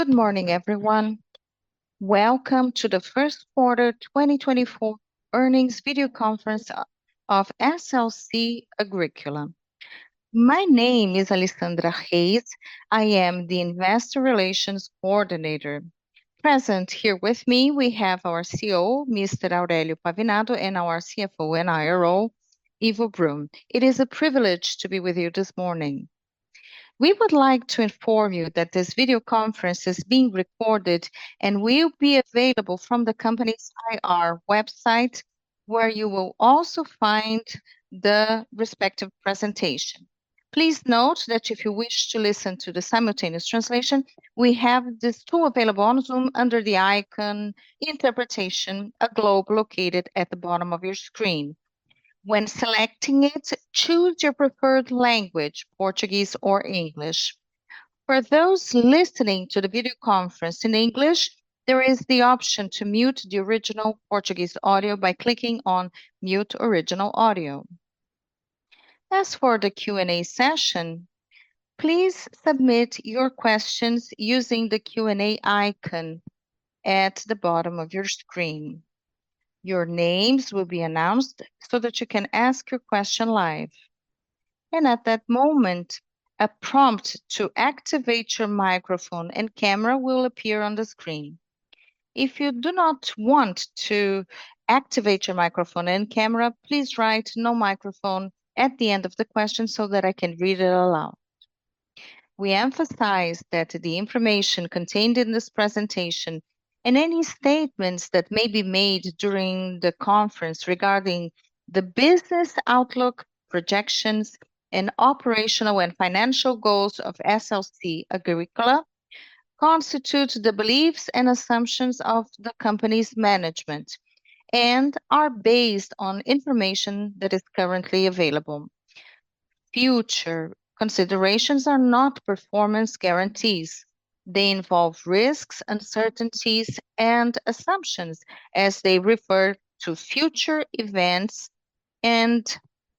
Good morning, everyone. Welcome to the first quarter 2024 Earnings Videoconference of SLC Agrícola. My name is Alisandra Reis, I am the Investor Relations Coordinator. Present here with me we have our CEO, Mr. Aurélio Pavinado, and our CFO and IRO, Ivo Brum. It is a privilege to be with you this morning. We would like to inform you that this videoconference is being recorded and will be available from the company's IR website, where you will also find the respective presentation. Please note that if you wish to listen to the simultaneous translation, we have these two available on Zoom under the icon "Interpretation: A Globe" located at the bottom of your screen. When selecting it, choose your preferred language, Portuguese or English. For those listening to the videoconference in English, there is the option to mute the original Portuguese audio by clicking on "Mute Original Audio." As for the Q&A session, please submit your questions using the Q&A icon at the bottom of your screen. Your names will be announced so that you can ask your question live. At that moment, a prompt to activate your microphone and camera will appear on the screen. If you do not want to activate your microphone and camera, please write "no microphone" at the end of the question so that I can read it aloud. We emphasize that the information contained in this presentation and any statements that may be made during the conference regarding the business outlook, projections, and operational and financial goals of SLC Agrícola constitute the beliefs and assumptions of the company's management and are based on information that is currently available. Future considerations are not performance guarantees. They involve risks, uncertainties, and assumptions as they refer to future events, and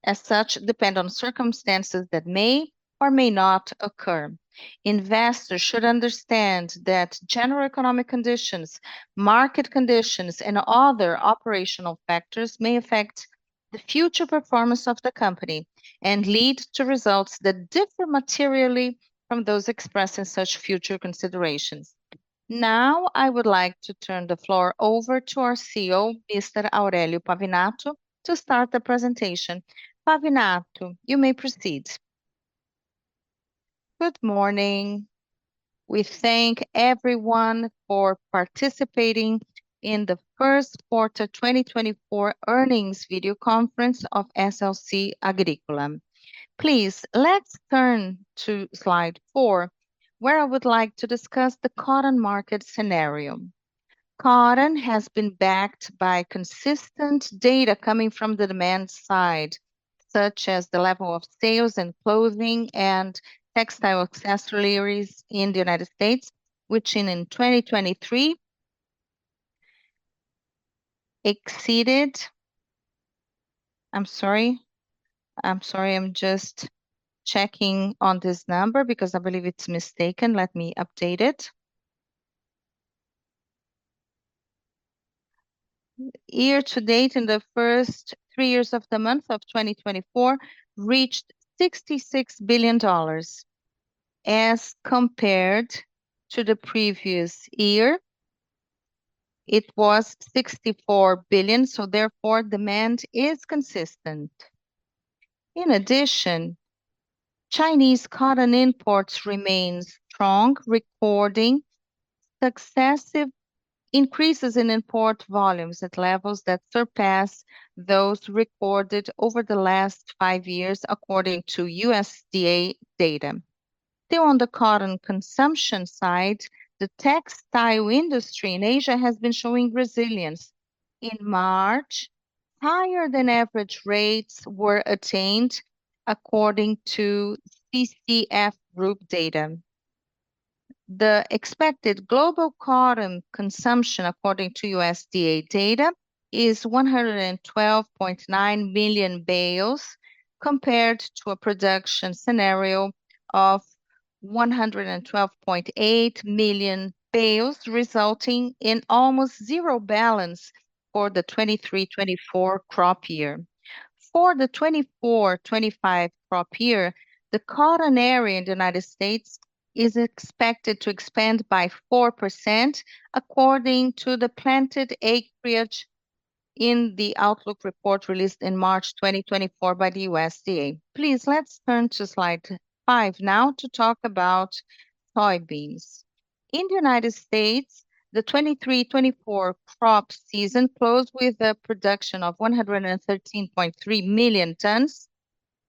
as such depend on circumstances that may or may not occur. Investors should understand that general economic conditions, market conditions, and other operational factors may affect the future performance of the company and lead to results that differ materially from those expressed in such future considerations. Now I would like to turn the floor over to our CEO, Mr. Aurélio Pavinado, to start the presentation. Pavinado, you may proceed. Good morning. We thank everyone for participating in the first quarter 2024 earnings videoconference of SLC Agrícola. Please let's turn to slide 4, where I would like to discuss the cotton market scenario. Cotton has been backed by consistent data coming from the demand side, such as the level of sales in clothing and textile accessories in the United States, which in 2023 exceeded. I'm sorry. I'm just checking on this number because I believe it's mistaken. Let me update it. Year to date, in the first 3 months of 2024, reached $66 billion as compared to the previous year. It was $64 billion, so therefore demand is consistent. In addition, Chinese cotton imports remain strong, recording successive increases in import volumes at levels that surpass those recorded over the last 5 years, according to USDA data. Still, on the cotton consumption side, the textile industry in Asia has been showing resilience. In March, higher than average rates were attained, according to CCF Group data. The expected global cotton consumption, according to USDA data, is 112.9 million bales, compared to a production scenario of 112.8 million bales, resulting in almost 0 balance for the 23-24 crop year. For the 24-25 crop year, the cotton area in the United States is expected to expand by 4%, according to the planted acreage in the outlook report released in March 2024 by the USDA. Please let's turn to slide 5 now to talk about soybeans. In the United States, the 23-24 crop season closed with a production of 113.3 million tons,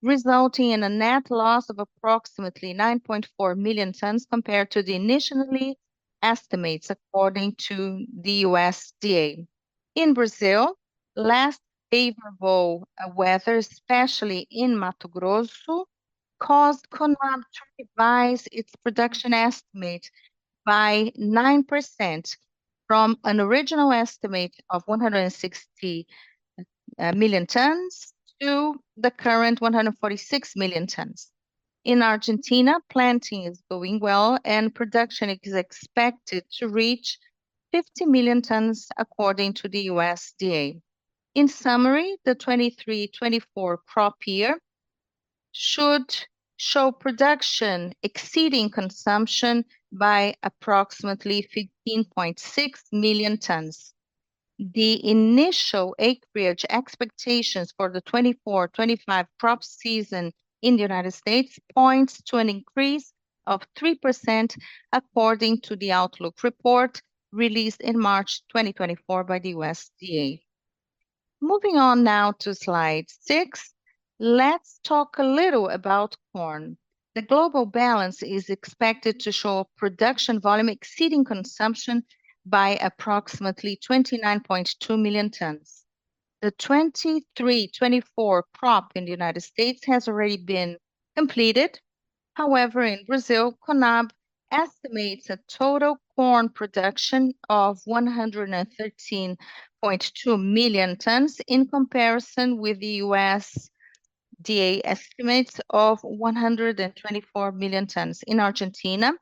resulting in a net loss of approximately 9.4 million tons compared to the initial estimates, according to the USDA. In Brazil, last unfavorable weather, especially in Mato Grosso, caused CONAB to revise its production estimate by 9% from an original estimate of 160 million tons to the current 146 million tons. In Argentina, planting is going well, and production is expected to reach 50 million tons, according to the USDA. In summary, the 23-24 crop year should show production exceeding consumption by approximately 15.6 million tons. The initial acreage expectations for the 24-25 crop season in the United States point to an increase of 3%, according to the outlook report released in March 2024 by the USDA. Moving on now to slide 6, let's talk a little about corn. The global balance is expected to show production volume exceeding consumption by approximately 29.2 million tons. The 23-24 crop in the United States has already been completed. However, in Brazil, CONAB estimates a total corn production of 113.2 million tons in comparison with the USDA estimates of 124 million tons. In Argentina,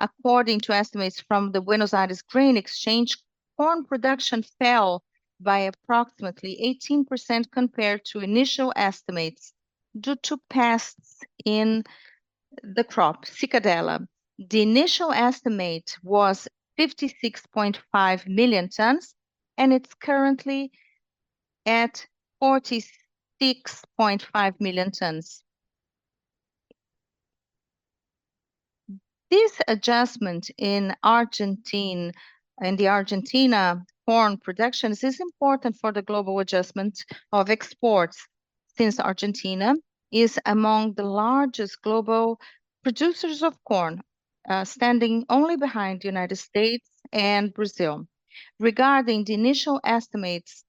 according to estimates from the Buenos Aires Grain Exchange, corn production fell by approximately 18% compared to initial estimates due to pests in the crop, Cicadella. The initial estimate was 56.5 million tons, and it's currently at 46.5 million tons. This adjustment in Argentina and the Argentina corn production is important for the global adjustment of exports, since Argentina is among the largest global producers of corn, standing only behind the United States and Brazil. Regarding the initial estimates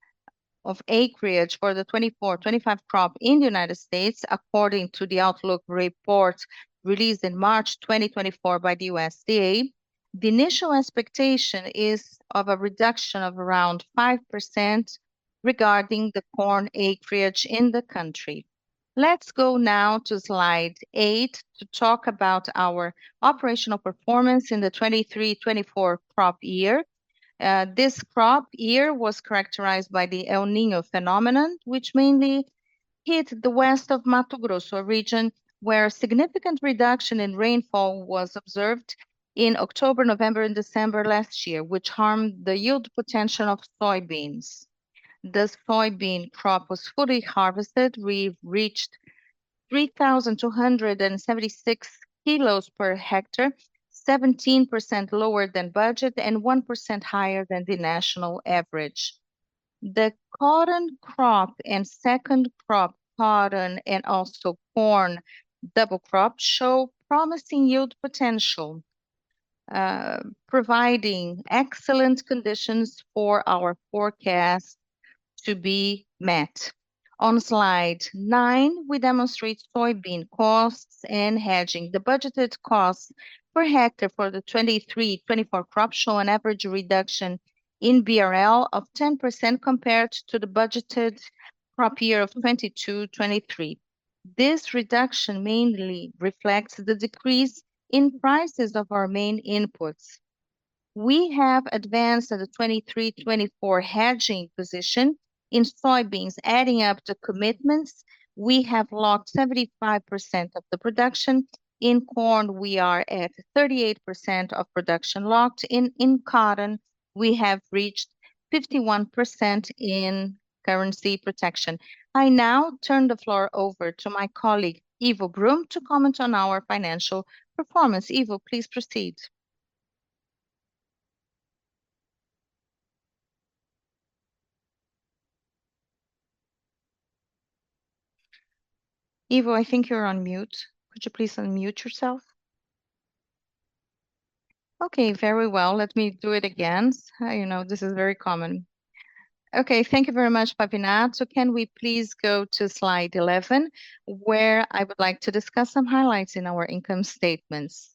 of acreage for the 24-25 crop in the United States, according to the outlook report released in March 2024 by the USDA, the initial expectation is of a reduction of around 5% regarding the corn acreage in the country. Let's go now to slide 8 to talk about our operational performance in the 23-24 crop year. This crop year was characterized by the El Niño phenomenon, which mainly hit the west of Mato Grosso, a region where a significant reduction in rainfall was observed in October, November, and December last year, which harmed the yield potential of soybeans. The soybean crop was fully harvested. We reached 3,276 kilos per hectare, 17% lower than budget and 1% higher than the national average. The cotton crop and second crop, cotton and also corn double crop, show promising yield potential, providing excellent conditions for our forecast to be met. On slide 9, we demonstrate soybean costs and hedging. The budgeted costs per hectare for the 23-24 crop show an average reduction in BRL of 10% compared to the budgeted crop year of 22-23. This reduction mainly reflects the decrease in prices of our main inputs. We have advanced at the 2023-2024 hedging position in soybeans, adding up the commitments. We have locked 75% of the production. In corn, we are at 38% of production locked. In cotton, we have reached 51% in currency protection. I now turn the floor over to my colleague, Ivo Brum, to comment on our financial performance. Ivo, please proceed. Ivo, I think you're on mute. Could you please unmute yourself? Okay, very well. Let me do it again. You know, this is very common. Okay, thank you very much, Pavinado. Can we please go to slide 11, where I would like to discuss some highlights in our income statements?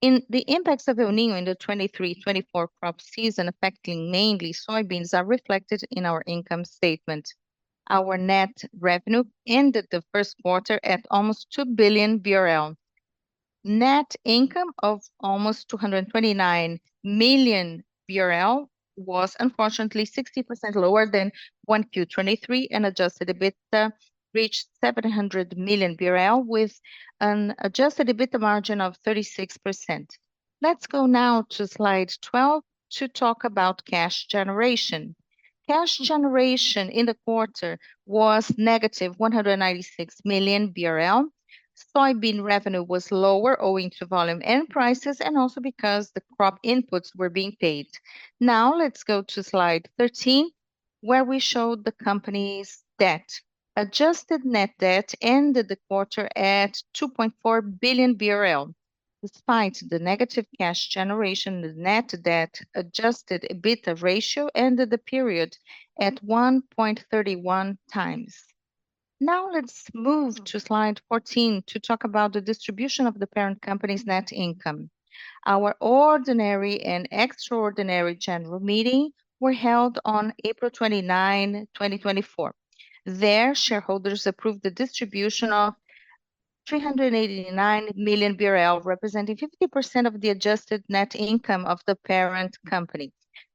The impacts of El Niño in the 2023-2024 crop season, affecting mainly soybeans, are reflected in our income statement. Our net revenue ended the first quarter at almost R$2 billion. Net income of almost R$229 million was unfortunately 60% lower than Q1 2023 and adjusted EBITDA reached R$700 million, with an adjusted EBITDA margin of 36%. Let's go now to slide 12 to talk about cash generation. Cash generation in the quarter was negative R$196 million. Soybean revenue was lower owing to volume and prices, and also because the crop inputs were being paid. Now let's go to slide 13, where we showed the company's debt. Adjusted net debt ended the quarter at R$2.4 billion. Despite the negative cash generation, the net debt adjusted EBITDA ratio ended the period at 1.31 times. Now let's move to slide 14 to talk about the distribution of the parent company's net income. Our ordinary and extraordinary general meeting was held on April 29, 2024. There, shareholders approved the distribution of 389 million BRL, representing 50% of the adjusted net income of the parent company: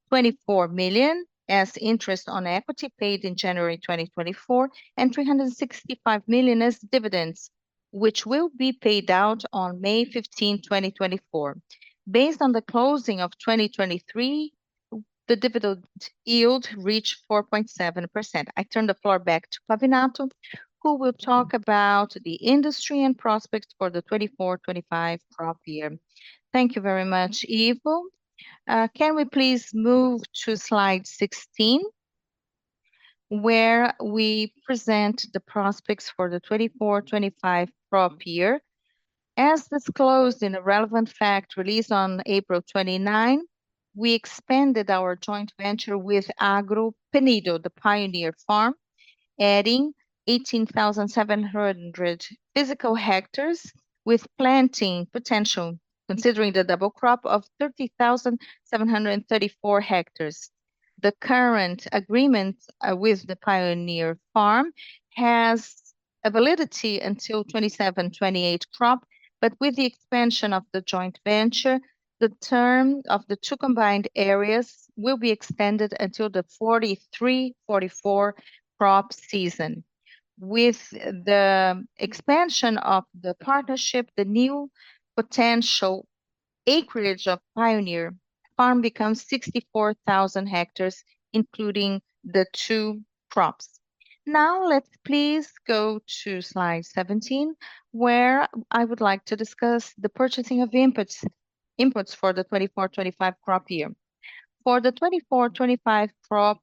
24 million as interest on equity paid in January 2024, and 365 million as dividends, which will be paid out on May 15, 2024. Based on the closing of 2023, the dividend yield reached 4.7%. I turn the floor back to Pavinado, who will talk about the industry and prospects for the 24-25 crop year. Thank you very much, Ivo. Can we please move to slide 16, where we present the prospects for the 24-25 crop year? As disclosed in a relevant fact released on April 29, we expanded our joint venture with Agro Penido, the Pioneer Farm, adding 18,700 physical hectares with planting potential, considering the double crop of 30,734 hectares. The current agreement with the Pioneer Farm has a validity until 27-28 crop, but with the expansion of the joint venture, the term of the 2 combined areas will be extended until the 43-44 crop season. With the expansion of the partnership, the new potential acreage of Pioneer Farm becomes 64,000 hectares, including the 2 crops. Now let's please go to slide 17, where I would like to discuss the purchasing of inputs for the 24-25 crop year. For the 24-25 crop,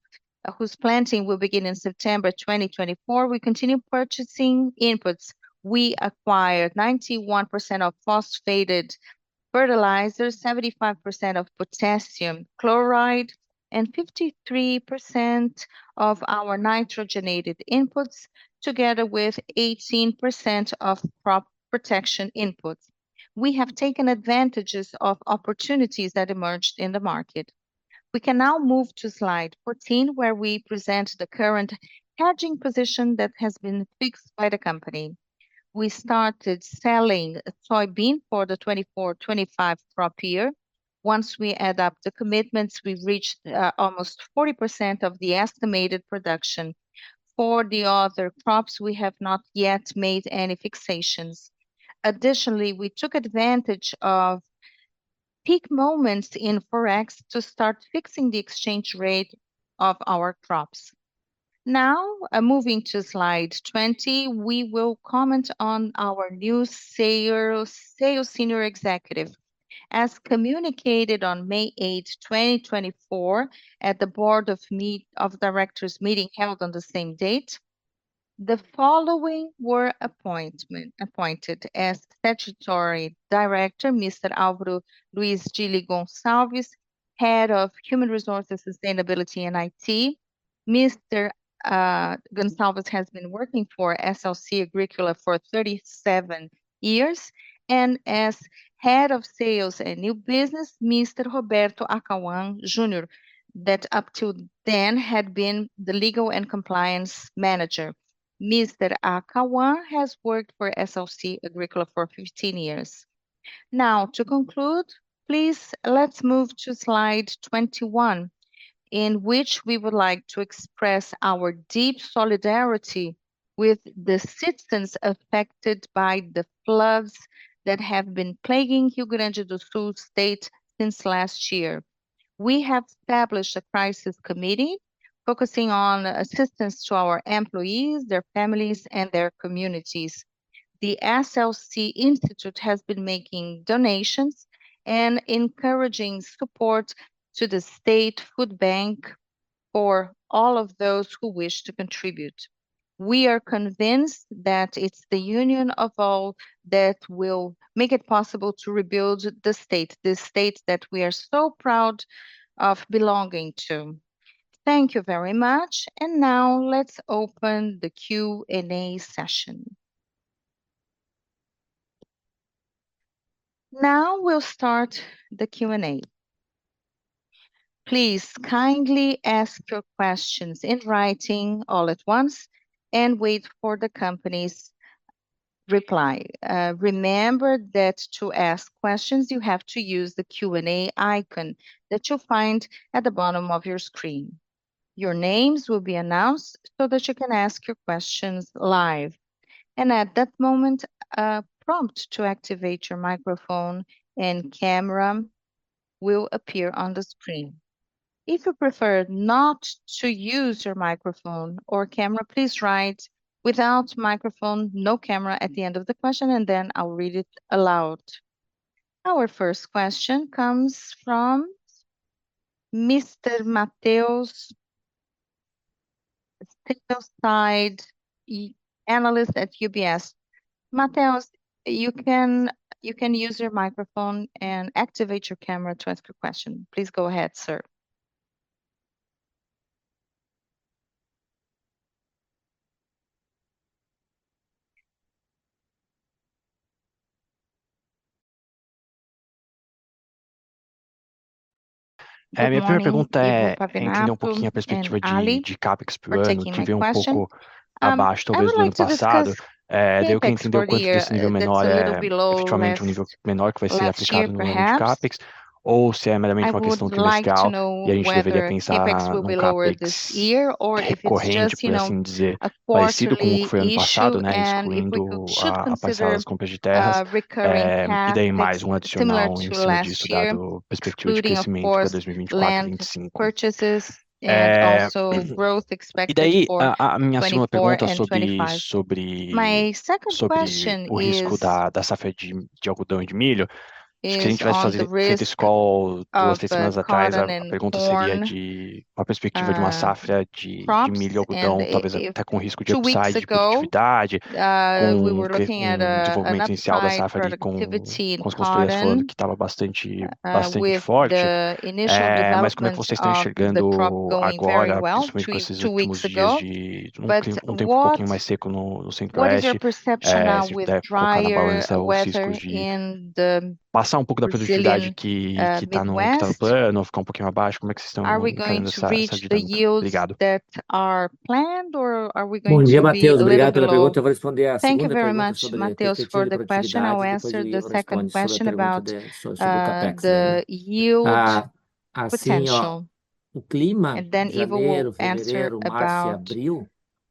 whose planting will begin in September 2024, we continue purchasing inputs. We acquired 91% of phosphated fertilizers, 75% of potassium chloride, and 53% of our nitrogenated inputs, together with 18% of crop protection inputs. We have taken advantage of opportunities that emerged in the market. We can now move to slide 14, where we present the current hedging position that has been fixed by the company. We started selling soybean for the 24-25 crop year. Once we add up the commitments, we've reached almost 40% of the estimated production. For the other crops, we have not yet made any fixations. Additionally, we took advantage of peak moments in Forex to start fixing the exchange rate of our crops. Now, moving to slide 20, we will comment on our new sales senior executive. As communicated on May 8, 2024, at the board of directors meeting held on the same date, the following were appointed: as statutory director, Mr. Álvaro Luiz Dilli Gonçalves, Head of Human Resources, Sustainability, and IT; Mr. Gonçalves has been working for SLC Agrícola for 37 years; and as Head of Sales and New Business, Mr. Roberto Akauam Jr., who up till then had been the Legal and Compliance Manager. Mr. Akauam has worked for SLC Agrícola for 15 years. Now, to conclude, please let's move to slide 21, in which we would like to express our deep solidarity with the citizens affected by the floods that have been plaguing Rio Grande do Sul state since last year. We have established a crisis committee focusing on assistance to our employees, their families, and their communities. The SLC Institute has been making donations and encouraging support to the State Food Bank for all of those who wish to contribute. We are convinced that it's the union of all that will make it possible to rebuild the state, the state that we are so proud of belonging to. Thank you very much, and now let's open the Q&A session. Now we'll start the Q&A. Please kindly ask your questions in writing all at once and wait for the company's reply. Remember that to ask questions, you have to use the Q&A icon that you'll find at the bottom of your screen. Your names will be announced so that you can ask your questions live. At that moment, a prompt to activate your microphone and camera will appear on the screen. If you prefer not to use your microphone or camera, please write "without microphone, no camera" at the end of the question, and then I'll read it aloud. Our first question comes from Mr. Mateus, sales side analyst at UBS. Mateus, you can use your microphone and activate your camera to ask your question. Please go ahead, sir. A minha primeira pergunta é entender um pouquinho a perspectiva de CAPEX por ano, que vem um pouco abaixo, talvez do ano passado. Daí eu quero entender o quanto que esse nível menor é efetivamente nível menor que vai ser aplicado no ano de CAPEX, ou se é meramente uma questão trimestral e a gente deveria pensar num CAPEX recorrente, por assim dizer, parecido com o que foi o ano passado, né, excluindo a passada das compras de terras, e daí mais adicional em cima disso dado a perspectiva de crescimento para 2024-25. E daí a minha segunda pergunta sobre o risco da safra de algodão e de milho. Acho que a gente tinha feito essa pergunta duas três semanas atrás, a pergunta seria de uma perspectiva de uma safra de milho e algodão, talvez até com risco de upside de produtividade, com o desenvolvimento inicial da safra ali, com as consultorias falando que estava bastante forte. Mas como é que vocês estão enxergando agora, principalmente com esses últimos dias de tempo pouquinho mais seco no Centro-Oeste, se puder focar na balança os riscos de passar pouco da produtividade que está no plano, ficar pouquinho abaixo, como é que vocês estão enxergando essa dica? Obrigado. Bom dia, Mateus, obrigado pela pergunta. Eu vou responder à segunda pergunta sobre o potencial de produtividade. O clima em janeiro, fevereiro e março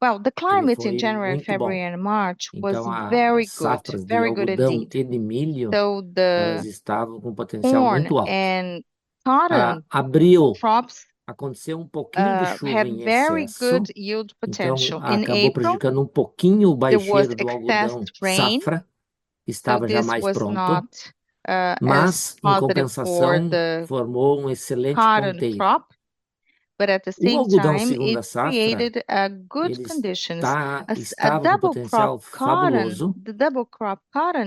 foi muito bom, muito bom mesmo. Então, eles estavam com potencial muito alto. As culturas de algodão, aconteceu pouquinho de chuva nesses dias. Acabou prejudicando pouquinho o baixeiro do algodão. A safra estava já mais pronta, mas, em compensação, formou excelente contexto. O algodão, segunda safra, está a segunda safra de algodão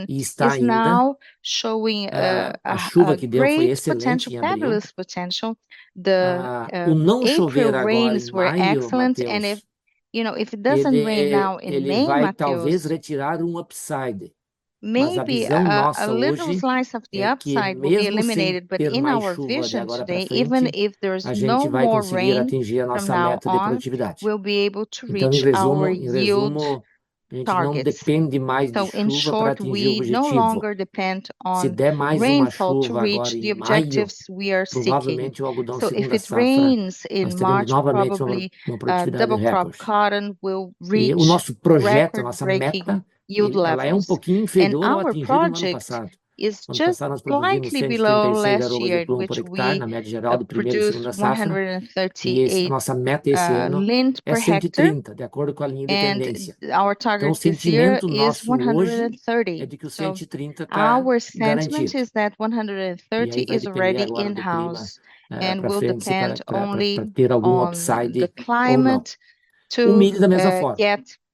e está ainda a chuva que deu foi excelente. O não chover agora talvez retirar upside. A little slice of the upside will be eliminated, but in our vision today, even if there is no more rain, we'll be able to reach our yield target. Se der mais uma chuva to reach the objectives we are seeking, so if it rains in March, probably double crop cotton will reach. O nosso projeto, a nossa meta, vai pouquinho inferior. Our project is just slightly below last year, which we produce 130. E a nossa meta esse ano é 130, de acordo com a linha de tendência. Então, o sentimento nosso é de que o 130 está garantido. Our sentiment is that 130 is already in-house and will depend only on the climate. O milho da mesma forma.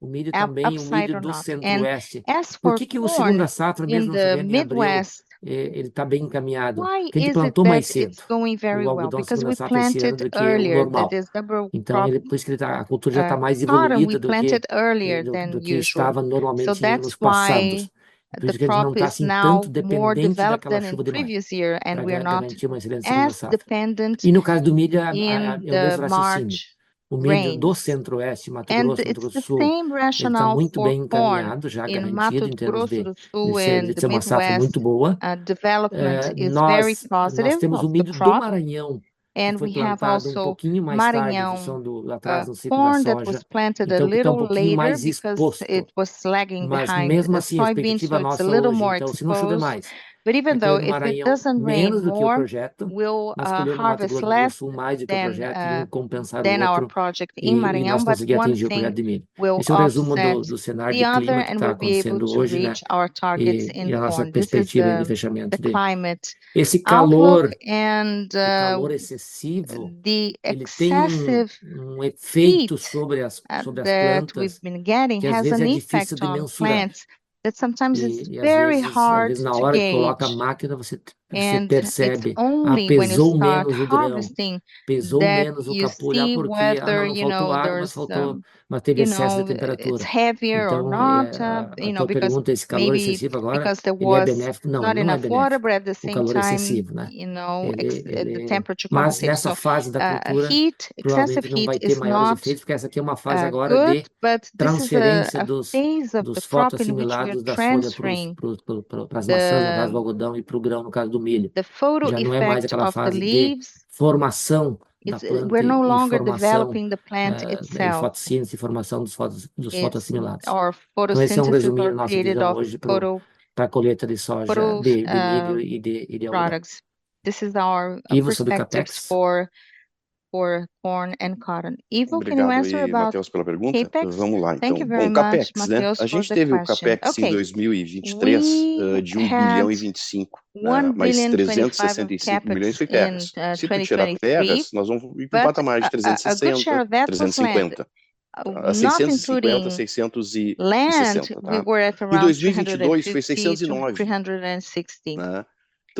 O milho também, o milho do Centro-Oeste. Por que que o segunda safra, mesmo no Midwest, ele está bem encaminhado? Porque ele plantou mais cedo. Então, por isso que ele está, a cultura já está mais evoluída do que estava normalmente nos anos passados. Por isso que a gente não está assim tanto dependente daquela chuva de março. E no caso do milho, agora é o mesmo raciocínio. O milho do Centro-Oeste, Mateus, ele está muito bem encaminhado, já garantido em termos de ter uma safra muito boa. Nós temos o milho do Maranhão, que tem plantado pouquinho mais tarde do que o planejado. Esse é o resumo do cenário que está acontecendo hoje. Esse calor, ele tem efeito sobre as plantas. Isso é muito difícil. Na hora que coloca a máquina, você percebe: pesou menos o grão. Pesou menos o capulho porque faltou água, mas teve excesso de temperatura. Então, a pergunta é: esse calor excessivo agora, ele é benéfico? Não, não é benéfico. O calor excessivo, né? Mas nessa fase da cultura, o excesso de calor não é mais efeito, porque essa aqui é uma fase agora de transferência dos fotoassimilados da folha para as maçãs, no caso do algodão, e para o grão, no caso do milho. Já não é mais aquela fase de formação da planta. We're no longer developing the plant itself. E formação dos fotoassimilados. Então, esse é resuminho do nosso vídeo de hoje para a colheita de soja de milho e de algodão. Ivo sobre CAPEX for corn and cotton. Ivo, can you answer about CAPEX? Vamos lá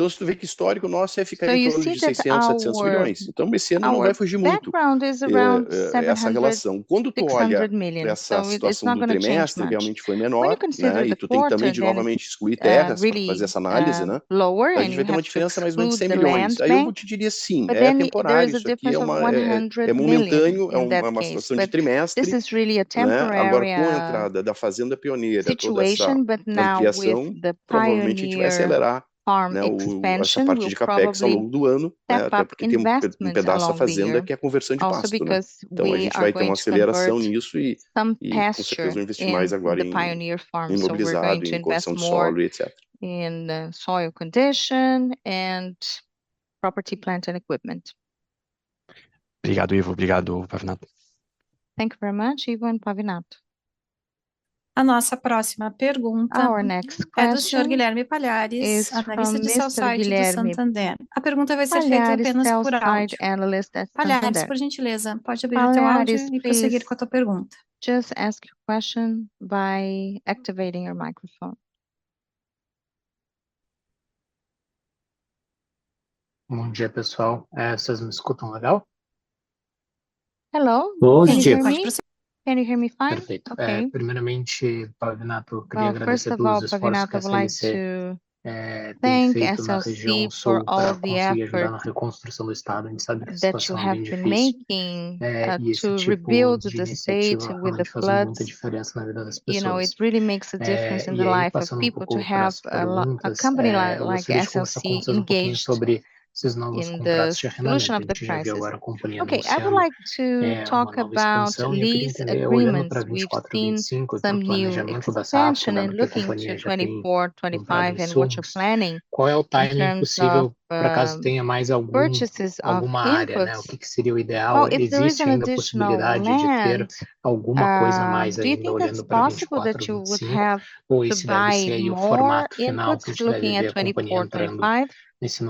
então. Com CAPEX, né? A gente teve o CAPEX em 2023 de R$ 1 bilhão e 25, mais R$ 365 milhões foi CAPEX. Se a gente tirar pedras, nós vamos ir para o patamar de 360, 350. A 650, 660. Em 2022 foi 609. Então, se tu vê que o histórico nosso é ficar em torno de R$ 600, 700 milhões. Então, esse ano não vai fugir muito. É essa relação. Quando tu olha para essa situação do trimestre, realmente foi menor. E tu tem também de novamente excluir terras, fazer essa análise, né? A gente vai ter uma diferença mais ou menos de R$ 100 milhões. Aí eu te diria sim, é temporário. É momentâneo, é uma situação de trimestre. Agora, com a entrada da fazenda Pioneira na criação, provavelmente a gente vai acelerar a parte de CAPEX ao longo do ano, até porque tem pedaço da fazenda que é a conversão de pasto. Então, a gente vai ter uma aceleração nisso e com certeza vou investir mais agora em imobilizado, em conversão de solo etc. Obrigado, Ivo. Obrigado, Pavinato. Thank you very much, Ivo. E a nossa próxima pergunta é do Sr. Guilherme Palhares, analista de Santander. A pergunta vai ser feita apenas por áudio. Palhares, por gentileza, pode abrir o teu áudio e prosseguir com a tua pergunta. Just ask your question by activating your microphone. Bom dia, pessoal. Vocês me escutam legal? Hello. Bom dia. Can you hear me fine? Perfeito. Primeiramente, Pavinato, queria agradecer pelo esforço da SLC para a reconstrução do estado. A gente sabe que a situação que a gente está vivendo is a difference in the life of people to have a company like SLC engaged em resolução da crise. Okay, I would like to talk about lease agreements within some new expansion and looking to 24, 25, and what you're planning. Qual é o timing possível, para caso tenha mais alguma área? O que seria o ideal? If there is an additional possibilidade de ter alguma coisa a mais aí do olhando para 25? Is it possible that you would have to buy o formato final looking at 24, 25?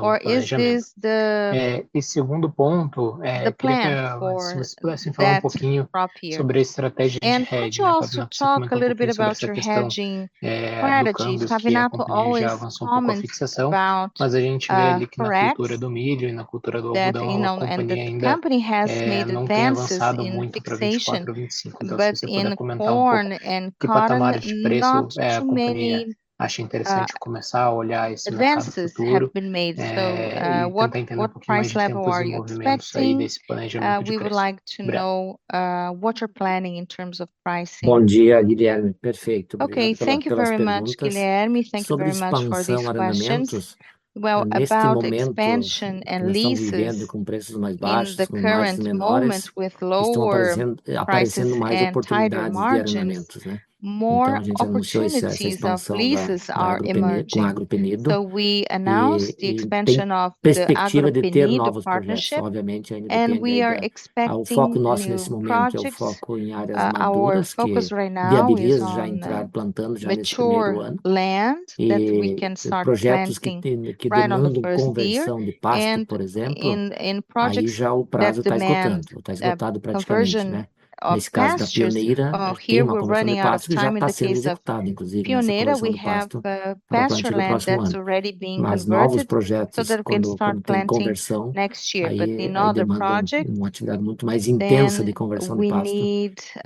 Ou isso é o segundo ponto? The plan. Se pudesse falar pouquinho sobre a estratégia de hedging. Could you also talk a little bit about your hedging strategies? Pavinato always comenta, mas a gente vê ali que na cultura do milho e na cultura do algodão a companhia ainda não tem avançado muito para 24, 25. Mas em corn e cotton, acho interessante começar a olhar esse mercado futuro. What price level are you expecting? We would like to know what you're planning in terms of pricing. Bom dia, Guilherme. Perfeito. Okay, thank you very much, Guilherme. Thank you very much for these questions. Well, about expansion and leases em momento com preços mais baixos in the current moment with lower prices, mais oportunidades de arrendamentos. More opportunities of leases are emerging. So we announced the expansion of the new partnership. O foco nosso nesse momento é o foco em áreas maduras que viabilizam já entrar plantando já nesse primeiro ano. Projetos que demandam conversão de pasto, por exemplo, aí já o prazo está esgotando. Está esgotado praticamente. Nesse caso da Pioneira, a queima como zona de pasto já está sendo executada, inclusive. Pioneira, we have pasture conversion mas novos projetos que vão ter conversão a in another project uma atividade muito mais intensa de conversão de pasto.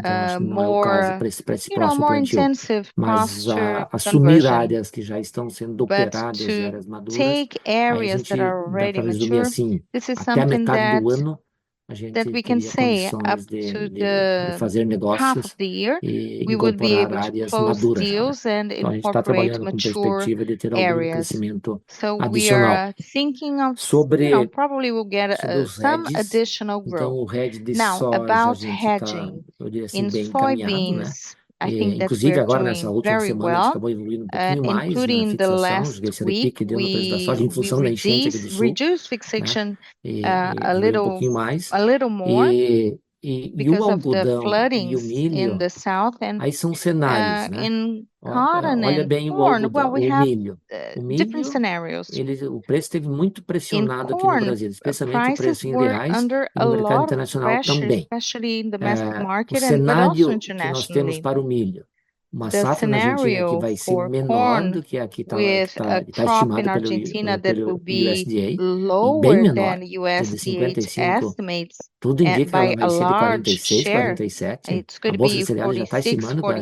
É o nosso caso para esse próximo projeto. Mas assumir áreas que já estão sendo operadas, áreas maduras, dá para resumir assim: até a metade do ano a gente tem a opção de fazer negócios e colaborar áreas maduras. Então, a gente está trabalhando com perspectiva de ter algum crescimento adicional. Então provavelmente vamos ter algum crescimento adicional, então o hedge de soja está bem encaminhado. Inclusive agora, nessa última semana, a gente acabou evoluindo pouquinho mais. Vamos ver esse daqui que deu no preço da soja em função da enchente aqui do sul. Reduzir a fixação um pouco mais e o algodão e o milho. Aí são cenários, né? Olha bem o algodão e o milho. O preço teve muito pressionado aqui no Brasil, especialmente o preço em reais. No mercado internacional também. O cenário que nós temos para o milho, uma safra na Argentina que vai ser menor do que a que está estimada pelo USDA, bem menor, 15,55. Tudo indica que vai ser de 46, 47. A bolsa de cereais já está estimando para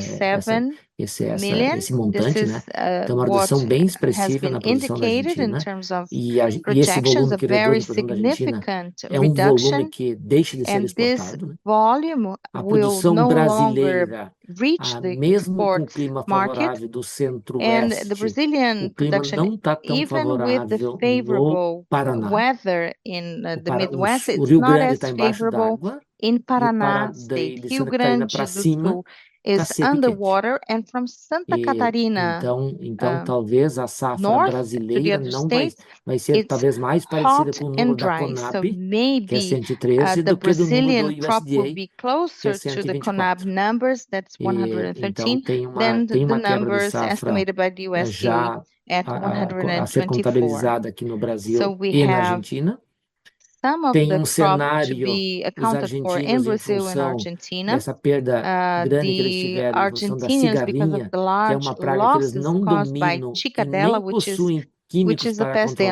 esse montante, né? Então, é uma redução bem expressiva na produção nacional. E esse volume que reduz é volume que deixa de ser exportado. A produção brasileira, mesmo com o clima favorável do Centro-Oeste, o clima não está tão favorável. O Rio Grande está em baixa água. No Paraná, Rio Grande para cima, está complicado então talvez a safra brasileira não vai ser talvez mais parecida com o número da CONAB, que é 113, do que do USDA que é 120. Então a safra brasileira vai ficar mais próxima dos números da CONAB, que é 113, do que dos números estimados pelo USDA em 120. Ela está contabilizada aqui no Brasil e na Argentina. Tem cenário no Brasil e Argentina essa perda grande que eles tiveram nos Estados Unidos, que é uma praga que eles não dominam, e que possuem químicos que eles não conhecem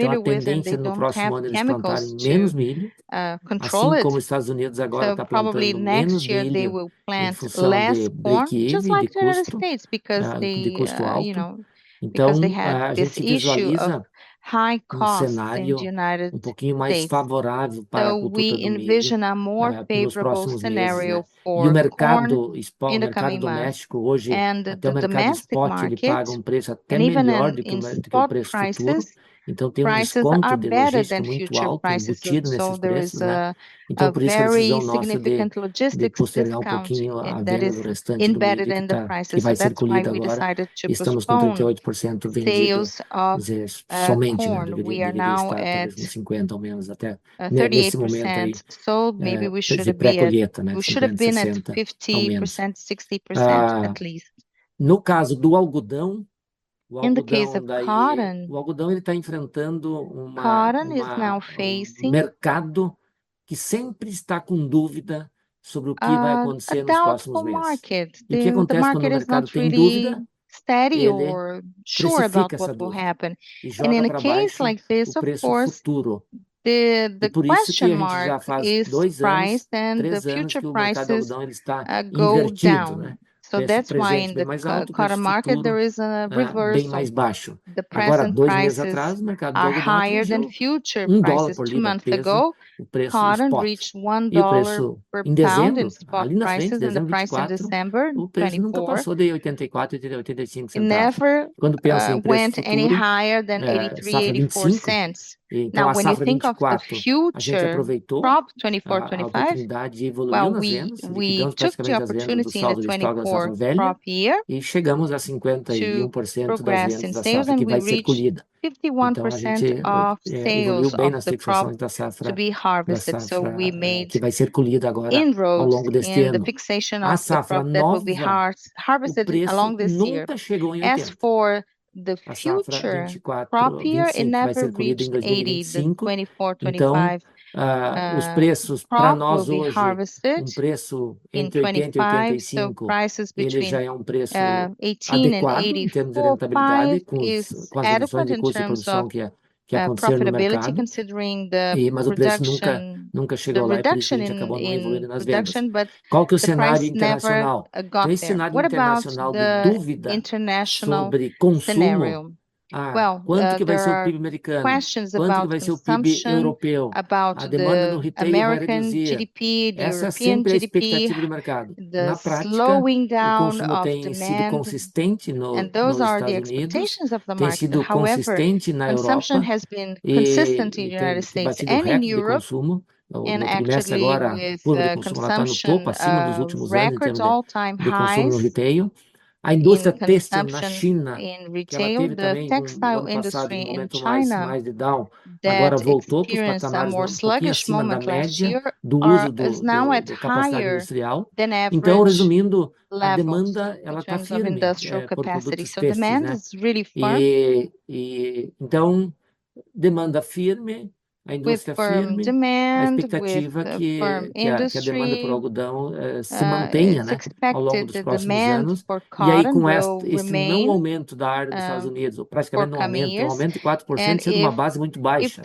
e a tendência no próximo ano é plantar menos milho, assim como os Estados Unidos agora está plantando. Provavelmente no próximo ano eles vão plantar menos milho, assim como os Estados Unidos, porque eles então esse problema de alto custo um pouquinho mais favorável para a cultura do milho. E o mercado doméstico hoje, até o mercado de exportação, ele paga preço até menor do que o preço futuro. Então tem desconto desses produtos obtido nesses preços. Então por isso a decisão logística de postergar um pouquinho a venda do restante, que vai ser colhida agora. Estamos com 38% vendidos, quer dizer, somente na DVD, está em 50% ou menos até nesse momento aí. So maybe we should have been at 50%, 60% at least. No caso do algodão, o algodão ele está enfrentando mercado que sempre está com dúvida sobre o que vai acontecer nos próximos meses. E o que acontece quando o mercado tem dúvida? In a case like this, of course, por isso que a gente já faz dois anos the future prices ele está invertido, né? That's why in the cotton market there is a reversal. Agora, dois meses atrás, o mercado do algodão higher than future prices two months ago, cotton reached $1 per pound in spot prices in the price of December 24. Quando pensa em preços went any higher than 83, 84 cents. When you think of the future crop 24, 25, então a gente chegamos a 51% das vendas que vai ser colhida. 51% of sales bem na situação da safra to be harvested, que vai ser colhida agora ao longo deste ano. The fixation of the price nunca chegou em 80%. As for the future crop year ele vai ser colhido em 2025, 24, 25. Então os preços para nós hoje, preço entre 80 e 85, ele já é preço adequado. Temos a rentabilidade com as reduções de custo de produção que aconteceram no início do ano. Mas o preço nunca chegou lá e a gente acabou não se envolvendo nas vendas. Qual que é o cenário internacional? Tem esse cenário internacional de dúvida sobre consumo. Quanto que vai ser o PIB americano? Quanto que vai ser o PIB europeu? A demanda no retail vai reduzir? Essa é sempre a expectativa do mercado. Na prática, o consumo tem sido consistente nos Estados Unidos, tem sido consistente na Europa. Consumption has been consistent in the United States. A demanda de consumo começa agora porque o consumo está no topo, acima dos últimos anos em termos de consumo no retail. A indústria têxtil na China, the textile industry in China agora voltou para os patamares de um pouquinho abaixo da média do uso do passado industrial. Então, resumindo, a demanda está firme. Demand is really firm e então demanda firme, a indústria firme, a expectativa que a demanda por algodão se mantenha ao longo dos próximos anos. E aí, com esse não aumento da área dos Estados Unidos, ou praticamente não aumenta, aumento de 4% sendo uma base muito baixa.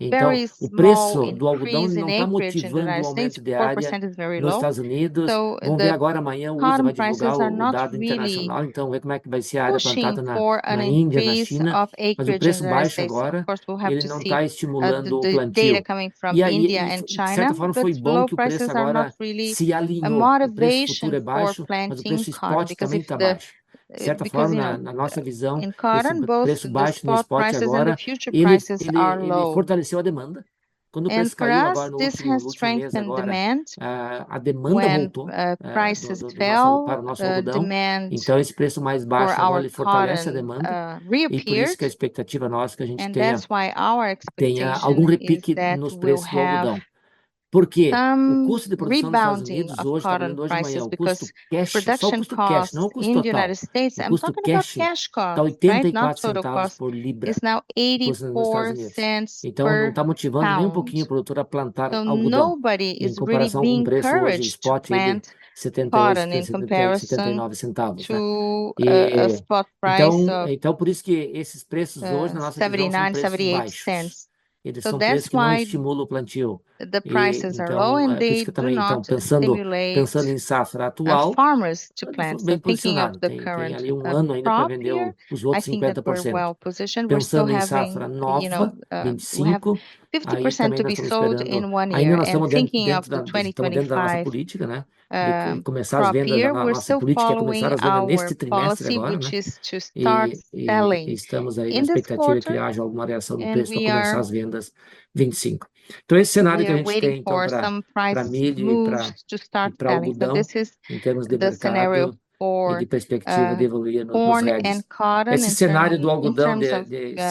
Então o preço do algodão não está motivando o aumento de área nos Estados Unidos. Vamos ver agora, amanhã o USA vai divulgar dado internacional, então ver como é que vai ser a área plantada na Índia, na China. Mas o preço baixo agora ele não está estimulando o plantio. E aí, de certa forma, foi bom que o preço agora se alinhou. O preço futuro é baixo, mas o preço spot também está baixo. De certa forma, na nossa visão, o preço baixo no spot agora ele fortaleceu a demanda. Quando o preço caiu agora no último mês, a demanda voltou para o nosso algodão. Então esse preço mais baixo agora ele fortalece a demanda. E por isso que a expectativa nossa é que a gente tenha algum repique nos preços do algodão. Porque o custo de produção dos Estados Unidos hoje, agora em 2 de manhã, o custo cash, só o custo cash, não o custo total, o custo cash está a 84 centavos por libra. Então não está motivando nem um pouquinho o produtor a plantar algodão em comparação com o preço do spot aí de 78, 79 centavos. Então por isso que esses preços hoje na nossa visão são mais baixos. Eles são preços que não estimulam o plantio. Os preços estão baixos e aí a gente está também então pensando em safra atual, pensando na atual tem ali ano ainda para vender os outros 50%. Pensando em safra nova, 25%. Aí nós estamos pensando na 2025 da nossa política, né? De começar as vendas novamente, a política é começar as vendas neste trimestre agora. E estamos aí na expectativa de que haja alguma reação no preço para começar as vendas 25. Então esse cenário que a gente tem então para milho e para algodão em termos de mercado e de perspectiva de evoluir nas regras. Esse cenário do algodão de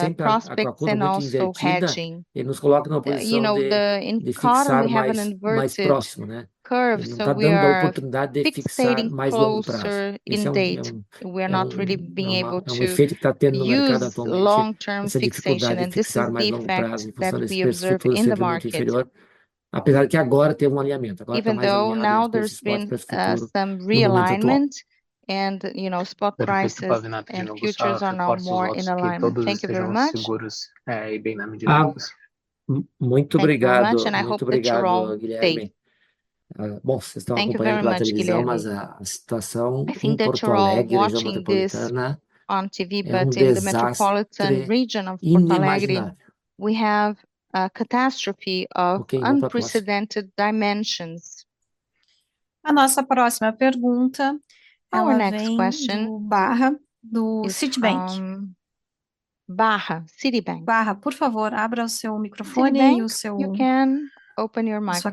sempre, a aquacultura muito invertida, ele nos coloca numa posição de fixar mais próximo, né? Não está dando a oportunidade de fixar mais longo prazo. We are not really being able to... É efeito que está tendo no mercado atualmente, essa dificuldade de fixar mais longo prazo em função desse preço futuro ser muito inferior, apesar de que agora tem alinhamento, agora está mais longo prazo. And you know spot prices and futures are now more in alignment. Thank you very much. Muito obrigado, muito obrigado, Guilherme. Bom, vocês estão acompanhando a plateia lista, mas a situação em Porto Alegre, região metropolitana. On TV, but in the metropolitan region of Porto Alegre, we have a catastrophe of unprecedented dimensions. A nossa próxima pergunta é o next question Barra do Citi Bank. Barra, por favor, abra o seu microfone e a sua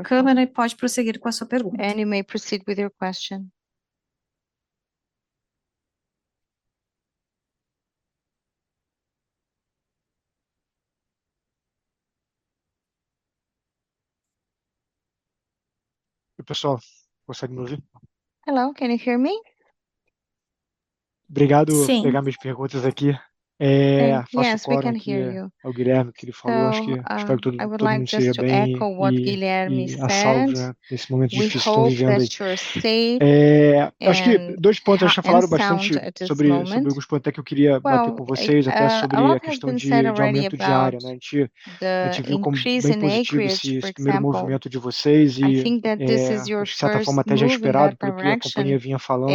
câmera e pode prosseguir com a sua pergunta. And you may proceed with your question. O pessoal consegue nos ouvir? Hello, can you hear me? Obrigado por pegar minhas perguntas aqui. Faço o foco no que o Guilherme falou, acho que espero que todo mundo esteja bem. A salvo, né? Nesse momento difícil que estão vivendo aí. Acho que dois pontos, acho que já falaram bastante sobre alguns pontos até que eu queria bater com vocês, até sobre a questão de aumento de área, né? A gente viu como bem construído esse primeiro movimento de vocês e, de certa forma, até já esperado pelo que a companhia vinha falando.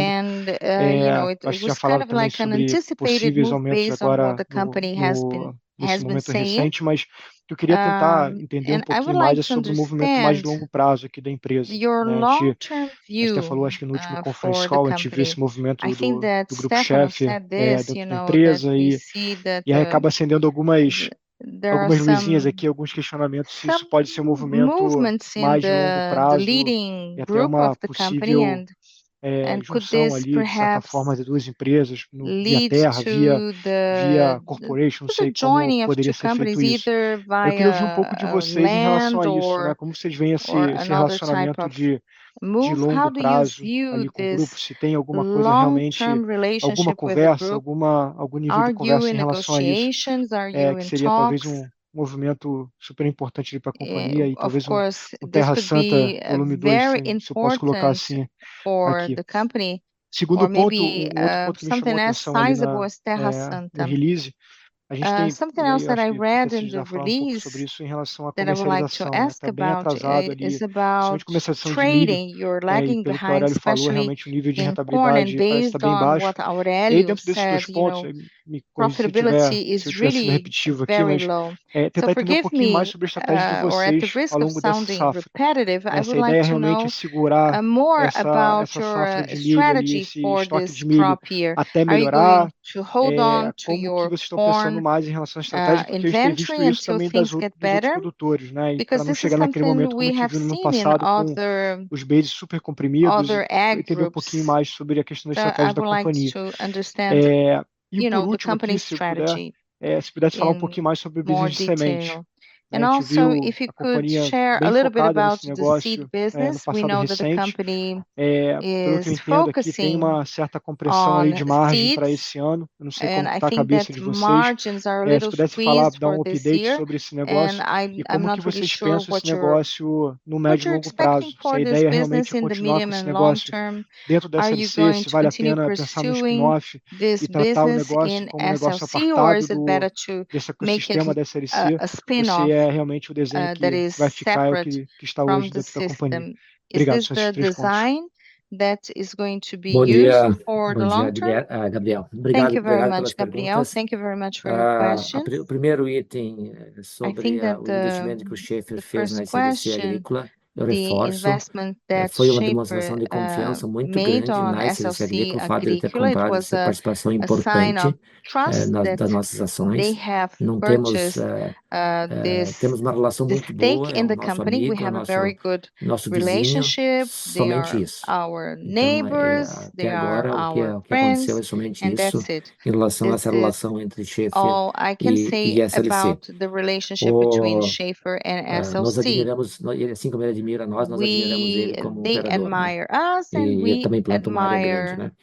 A gente tinha falado também de possíveis aumentos agora no movimento recente, mas eu queria tentar entender pouquinho mais sobre o movimento mais de longo prazo aqui da empresa. A gente até falou, acho que no último Conference Call, a gente viu esse movimento do Grupo Scheffer da empresa e aí acaba acendendo algumas luzinhas aqui, alguns questionamentos se isso pode ser movimento mais de longo prazo e até uma possível conexão ali, de certa forma, de duas empresas via terra, via corporation, não sei como poderia ser feito isso. Eu queria ouvir pouco de vocês em relação a isso, né? Como vocês veem esse relacionamento de longo prazo ali com o grupo? Se tem alguma coisa realmente, alguma conversa, algum nível de conversa em relação a isso, que seria talvez movimento super importante ali para a companhia e talvez Terra Santa, volume dois, se eu posso colocar assim aqui. Segundo ponto, o outro ponto que me chamou a atenção no release, a gente tem something else that I read in the release sobre isso em relação à conversa que a gente tinha atrasada ali, sobre a conversação de trading you're lagging behind especialmente o nível de rentabilidade que está bem baixo. E aí, dentro desses dois pontos, aí me confunde muito. Tentar entender pouquinho mais sobre a estratégia de vocês, the risk of sounding repetitive, eu gostaria realmente de segurar more about your strategy for this crop year, até melhorar, to hold on to your eu estou pensando mais em relação à estratégia de preços de frutos também das outras produtoras, né? E como chegar naquele momento de ano passado com os basis super comprimidos, eu queria pouquinho mais sobre a questão da estratégia da companhia. Gostaria de entender o produto dela, se pudesse falar pouquinho mais sobre o business de semente. E também, se você pudesse compartilhar um pouco sobre o negócio de sementes, sabemos reforço. Foi uma demonstração de confiança muito grande na SLC Agrícola pelo fato de ele ter comprado essa participação importante das nossas ações. Não temos uma relação muito boa com o nosso vizinho. Somente isso. E agora o que aconteceu é somente isso em relação a essa relação entre Scheffer e SLC. Oh, I can say about the relationship between Scheffer and SLC. Nós admiramos, assim como ele admira nós, nós admiramos ele como operador. Eles nos admiram e ele também planta uma grande área,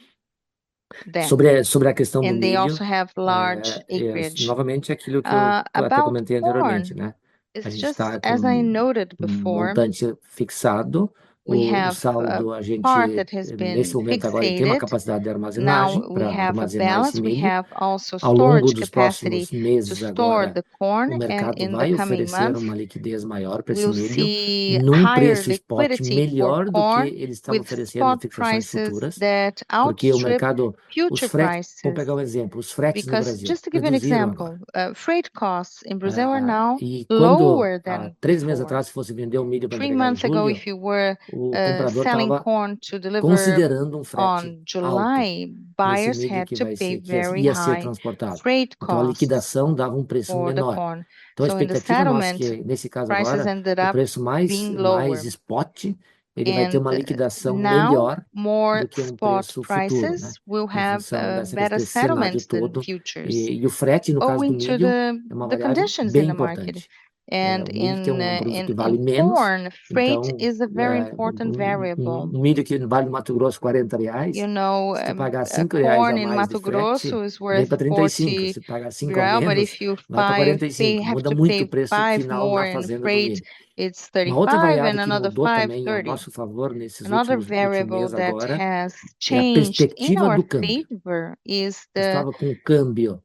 né? Sobre a questão do milho. E eles também têm uma grande área plantada. Novamente, aquilo que eu até comentei anteriormente, né? A gente está com montante fixado. O saldo a gente, nesse momento agora, ele tem uma capacidade de armazenagem para armazenar esse milho. Ao longo dos próximos meses, agora o mercado vai oferecer uma liquidez maior para esse milho num preço spot melhor do que ele estava oferecendo em fixações futuras. Porque o mercado, os fretes, vamos pegar exemplo, os fretes no Brasil. Só para dar um exemplo, os custos de frete no Brasil estão agora menores do que três meses atrás, se fosse vender o milho para a Guilherme, o comprador estava considerando frete em julho, os compradores tinham que pagar muito alto e a liquidação dava preço menor. Então a expectativa nossa é que, nesse caso agora, o preço mais spot ele vai ter uma liquidação melhor do que preço futuro. Melhor liquidação e o frete, no caso do milho, é uma variável bem importante. E a gente tem produto que vale menos. O milho que vale no Mato Grosso R$ 40,00, você pagar R$ 5,00 de frete em Mato Grosso vale R$ 35,00, você paga R$ 5,00 ao mês. Então para R$ 45,00 muda muito o preço final da fazenda do milho. Outra variável que estava com o câmbio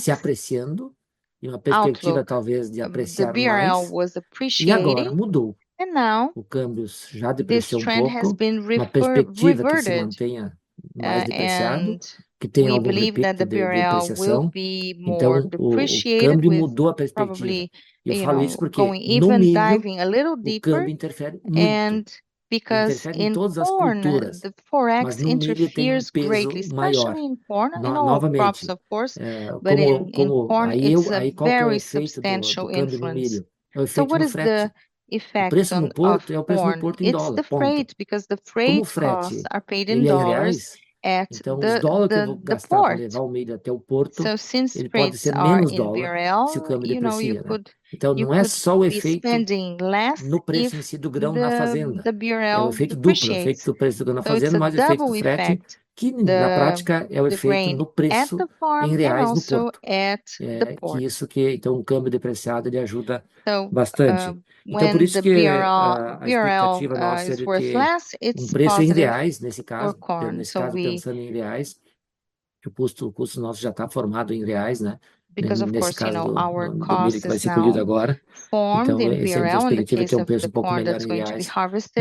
se apreciando, e uma perspectiva talvez de apreciar o real agora mudou. E não, o câmbio já depreciou pouco, uma perspectiva que se mantenha mais depreciado, que tenha alguma perda de depreciação. Então o câmbio mudou a perspectiva. E eu falo isso porque o câmbio interfere muito em todas as culturas, especialmente no milho, nas culturas é claro, mas no milho é uma influência muito substancial. O preço no porto é o preço em dólar. É o frete, porque os custos do frete são pagos em dólares no porto. Então o dólar que eu vou pagar para levar o milho até o porto pode ser menos dólar se o câmbio depreciar. Então não é só o efeito no preço em si do grão na fazenda, é o efeito duplo, o efeito do preço do grão na fazenda mais o efeito do frete, que na prática é o efeito no preço em reais no porto. É que isso que então o câmbio depreciado ele ajuda bastante. Então por isso que a expectativa nossa é de que preço em reais, nesse caso, nesse caso pensando em reais, que o custo nosso já está formado em reais, né? Nesse caso do milho que vai ser colhido agora, então essa é a nossa expectativa que é preço pouco melhor em reais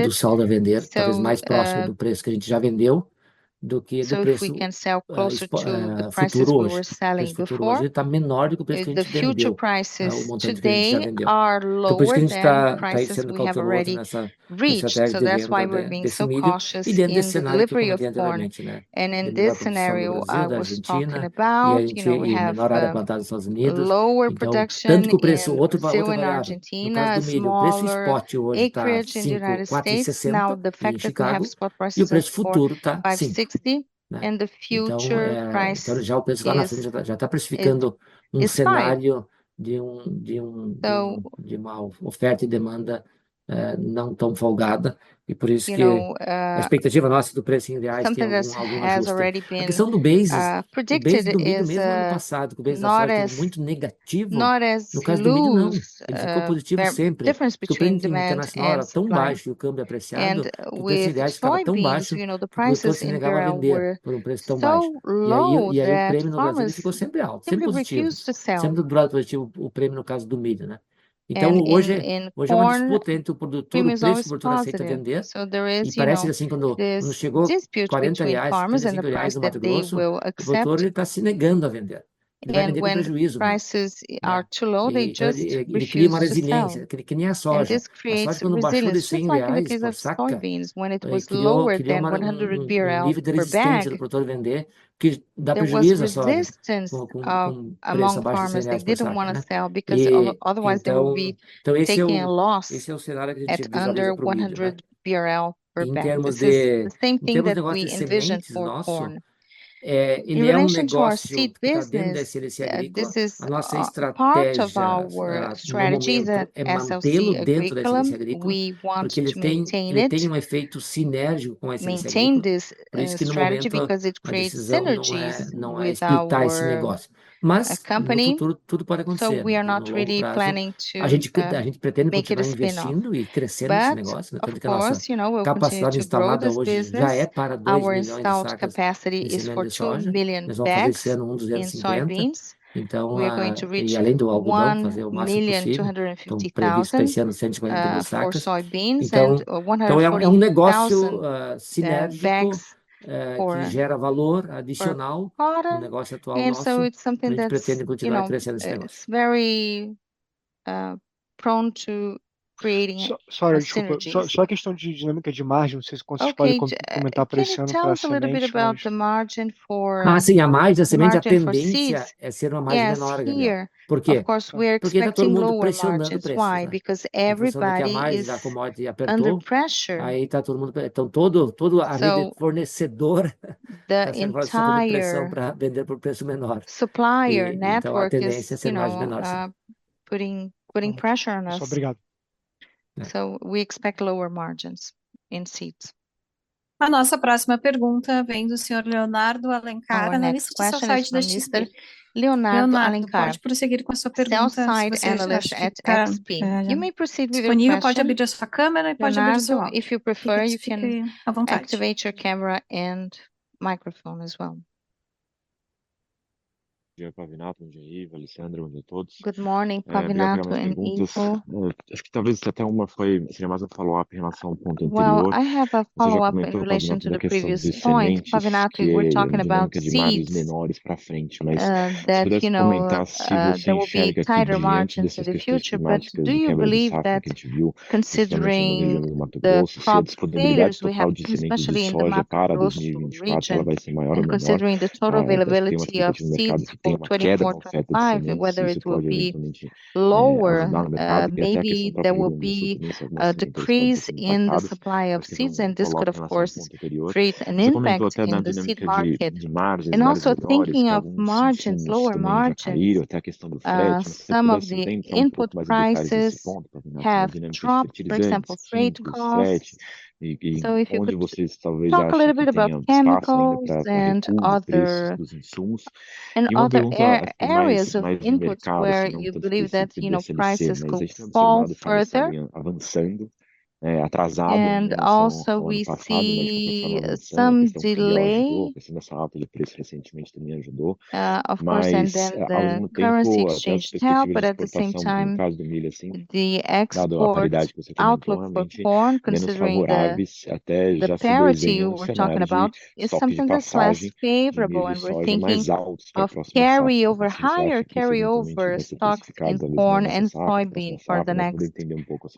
do saldo a vender, talvez mais próximo do preço que a gente já vendeu do que do preço futuro hoje. Ele está menor do que o preço que a gente vendeu, o montante que a gente já vendeu. Então por isso que a gente está sendo cauteloso nessa estratégia de vender esse milho. E dentro desse cenário que eu vim anteriormente, né? E neste cenário eu estava falando sobre a gente tem a menor área plantada nos Estados Unidos, tanto que o preço, outro valor no caso do milho, o preço spot hoje está R$ 5,60 e o preço futuro está R$ 5,60. Então já o preço lá na fazenda já está precificando cenário de uma oferta e demanda não tão folgada, e por isso que a expectativa nossa do preço em reais tem alguns ajustes. A questão do basis, o preço do milho mesmo no ano passado, que o basis da soja era muito negativo, no caso do milho não, ele ficou positivo sempre. O prêmio internacional era tão baixo e o câmbio apreciado, o preço em reais ficava tão baixo, o produtor se negava a vender por preço tão baixo, e aí o prêmio no Brasil ele ficou sempre alto, sempre positivo, sempre durado positivo o prêmio no caso do milho, né? Então hoje é uma disputa entre o produtor, o preço que o produtor aceita vender, e parece que quando chegou R$ 40,00, R$ 45,00 no Mato Grosso, o produtor ele está se negando a vender, ele vai vender com prejuízo. Os preços estão muito baixos, ele cria uma resistência, que nem a soja, a soja quando baixou de R$ 100,00 a saca, quando estava abaixo de R$ 100,00, ele vive da resistência do produtor vender, que dá prejuízo à soja com o preço abaixo de R$ 100,00. They didn't want to sell because otherwise they would be taking a loss. Esse é o cenário que a gente visualizou em termos de same thing that we envisioned for corn, e o relacionamento com a nossa estratégia é SLC Agrícola porque ele tem efeito sinérgico com a SLC Agrícola, por isso que no momento we can't quit a estratégia de não é quitar esse negócio, mas no futuro tudo pode acontecer. So we are not really planning to. A gente pretende continuar investindo e crescendo esse negócio, tanto que a nossa capacidade instalada hoje já é para 2 billion de sacas. Our installed capacity is 1.4 billion bags e além do algodão, fazer o máximo para prever isso para esse ano 142 sacas. Então é negócio sinérgico que gera valor adicional no negócio atual nosso, a gente pretende continuar crescendo esse negócio. It's very prone to creating só a questão de dinâmica de margem, não sei se vocês podem comentar para esse ano para a SLC Agrícola. Sim, a margem da semente, a tendência é ser uma margem menor, por quê? Porque está todo mundo pressionando o preço. Under pressure, aí está todo mundo, então toda a rede fornecedora está sendo pressionada para vender por preço menor. Supplier network, então a tendência é ser margem menor, sim. Putting pressure on us, obrigado, so we expect lower margins in seeds. A nossa próxima pergunta vem do senhor Leonardo Alencar, né? Nesse site da Schnitzler, Leonardo pode prosseguir com a sua pergunta. On the site of Schnitzler at XP disponível, pode abrir a sua câmera e pode abrir o seu... If you prefer, you can à vontade activate your camera and microphone as well. Dia Pavinato, bom dia Iva, Alessandro, bom dia a todos. Good morning Pavinato. Acho que talvez até uma foi, seria mais follow-up em relação ao ponto anterior. I have a follow-up in relation to the previous point, Pavinato. We're talking about seeds menores para frente, mas você vai comentar se vocês vão ter tighter margins in the future, but do you believe that considering the crop availability, considerando o total availability of seeds for 2025, whether it will be lower, maybe there will be a decrease in the supply of seeds, and this could of course create an impact in the seed market. And also thinking of margins, lower margins, some of the input prices have dropped, for example, freight costs, so if you could talk a little bit about chemicals and other areas of inputs where you believe that, you know, prices could fall further e também ajudou of course and then currency exchange tail, but at the same time no caso do milho, assim the outlook for corn, considering the parity you were talking about, is something that's less favorable, and we're thinking of carryover, higher carryover stocks in corn and soybean for the next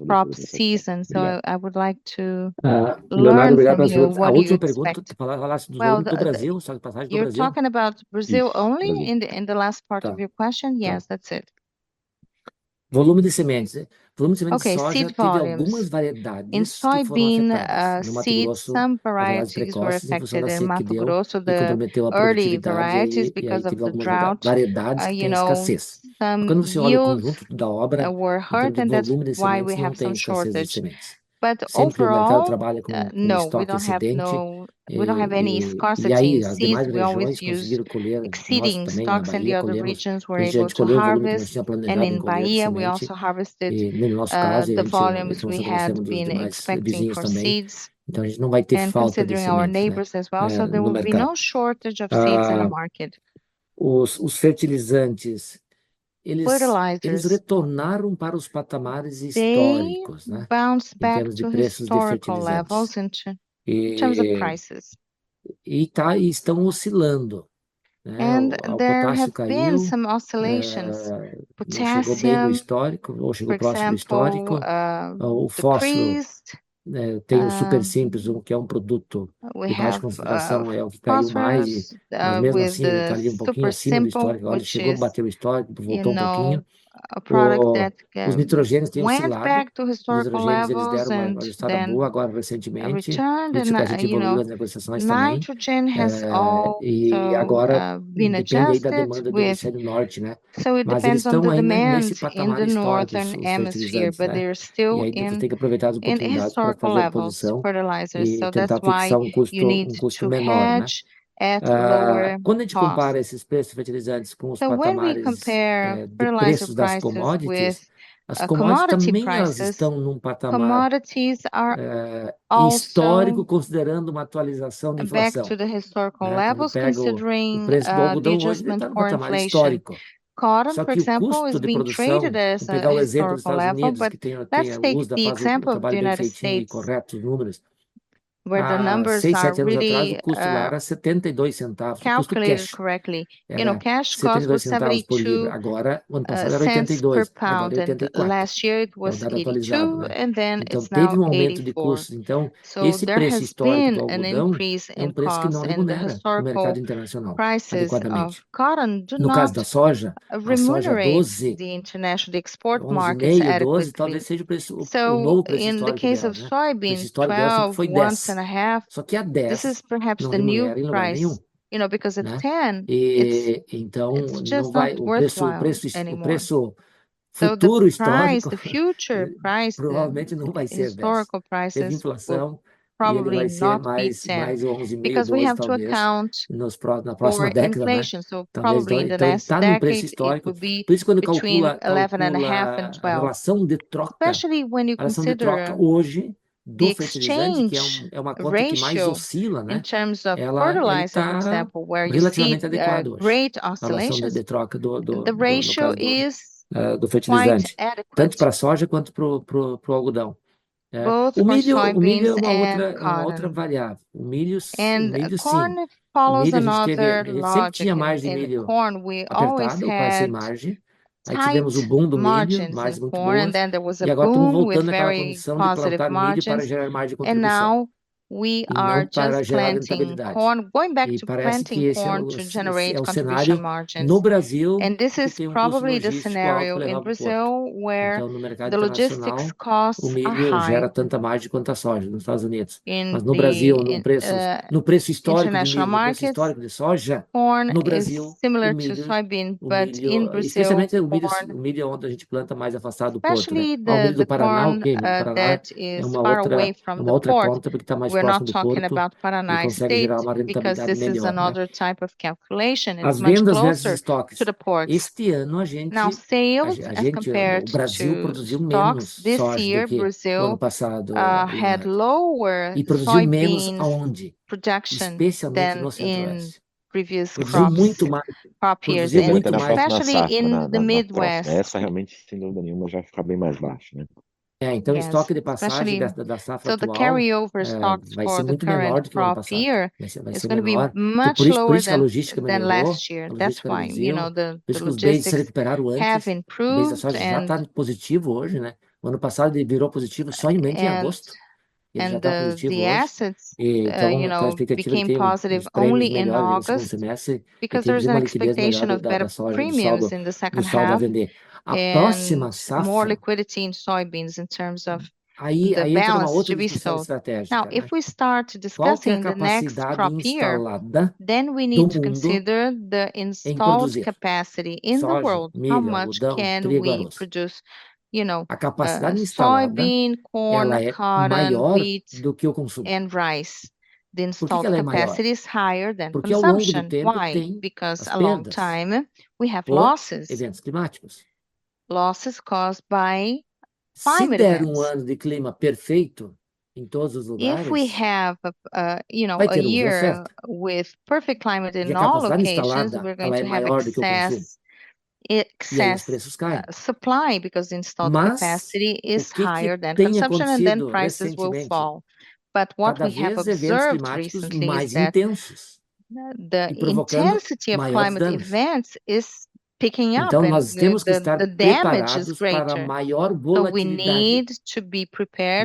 crop season, so I would like to learn Leonardo, obrigado a sua pergunta, falasse do volume do Brasil, só de passagem do Brasil you're talking about Brazil only in the last part of your question, yes that's it volume de sementes, volume de sementes de soja que teve algumas variedades em Mato Grosso some varieties were affected in Mato Grosso the early varieties because of the drought variedades que tiveram escassez, quando você olha o conjunto da obra we're hurt and that's why we have some shortage mas o mercado trabalha como estoque excedente, we don't have any scarcity e aí as demais variedades que conseguiram colher exceeding stocks and the other regions were able to harvest, and in Bahia we also harvested no nosso caso the volumes we had been expecting for seeds então a gente não vai ter falta de sementes considering our neighbors as well, so there will be no shortage of seeds in the market os fertilizantes, eles retornaram para os patamares históricos, né? They bounced back to historical levels in terms of prices e estão oscilando, né? Potássio chegou bem no histórico, ou chegou próximo do histórico, o fósforo tem o superfosfato simples, que é produto de baixa concentração, é o que caiu mais, e mesmo assim ele caiu pouquinho acima do histórico, agora ele chegou, bateu o histórico, voltou pouquinho, os nitrogênios têm oscilado, os nitrogênios eles deram uma estabilizada agora recentemente, por isso que a gente evoluiu as negociações também, e agora depende aí da demanda do hemisfério norte, né? Mas eles estão ainda nesse patamar histórico, os fertilizantes aqui, e aí você tem que aproveitar as oportunidades para fazer aposição e tentar fixar custo menor, né? Quando a gente compara esses preços de fertilizantes com os patamares de preços das commodities, as commodities também elas estão num patamar histórico, considerando uma atualização da inflação e voltando aos níveis históricos considerando o preço do algodão hoje, mas num patamar histórico, por exemplo, o custo de produção, pegar o exemplo dos Estados Unidos, que têm aqui o custo da variedade sem os números corretos, seis sete anos atrás, o custo lá era 72 centavos, o custo à vista, você sabe, custo à vista era 72, agora o ano passado era 82, agora é 84, então teve aumento de custos, então esse preço histórico do algodão é preço que não remunera o mercado internacional adequadamente. No caso da soja, a remuneração é 12, o mercado internacional de exportação é 12, talvez seja o preço, o novo preço histórico, esse histórico nosso foi 10, só que a 10 este é talvez o novo preço, você sabe, porque a 10 e então não vai ter o preço, o preço futuro histórico, provavelmente não vai ser 10, essa inflação vai ser mais ou menos 11,5% porque temos que considerar na próxima década, né? Então está num preço histórico, por isso que quando calcula a relação de troca hoje do fertilizante, que é uma conta que mais oscila, né? In terms of fertilizer, for example, where you see a rate oscillation, a relação de troca do fertilizante, tanto para a soja quanto para o algodão, o milho é uma outra variável. O milho sim, sempre tinha mais de milho apertado, eu faço a imagem, aí tivemos o boom do milho, mais muito boom, e agora estamos voltando àquela condição de plantar milho para gerar margem de contribuição, e parece que esse é o cenário no Brasil. And this is probably the scenario in Brazil where the logistics cost, o milho gera tanta margem quanto a soja nos Estados Unidos, mas no Brasil, no preço, no preço histórico de soja, no Brasil is similar to soybean, but in Brazil, especialmente o milho é onde a gente planta mais afastado do porto, ao longo do Paraná. Químico, o Paraná é uma outra conta, porque está mais próximo do porto, e consegue gerar uma rentabilidade melhor. As vendas versus estoques, este ano a gente no Brasil produziu menos soja no ano passado e produziu menos onde, especialmente no Sudeste, produziu muito mais, especialmente no Midwest essa realmente, sem dúvida nenhuma, já fica bem mais baixa, né? Então o estoque de passagem da safra atual vai ser muito menor do que o ano passado, por isso que a logística melhorou, por isso que o preço dos basis se recuperaram antes, o preço da soja já está positivo hoje, né? O ano passado ele virou positivo só em maio, em agosto, ele já está positivo hoje, então a expectativa é ficar positivo só em agosto porque existe uma expectativa de soja a vender, a próxima safra com mais liquidez em soja em termos de aí entra uma outra questão estratégica, agora se começarmos a discutir o próximo ano safra então precisamos considerar a capacidade instalada no mundo, quanto podemos produzir, você sabe, a capacidade instalada de soja, milho, mandioca e arroz, a capacidade instalada é maior que a produção, porque ao longo do tempo temos perdas por eventos climáticos, perdas causadas por se der ano de clima perfeito em todos os lugares se tivermos, você sabe, um ano com clima perfeito em todos os locais vamos ter excesso de oferta, porque a capacidade instalada é maior que o consumo e então os preços vão cair, mas o que observamos recentemente é que a intensidade dos eventos climáticos está aumentando então nós temos que estar preparados para maior volatilidade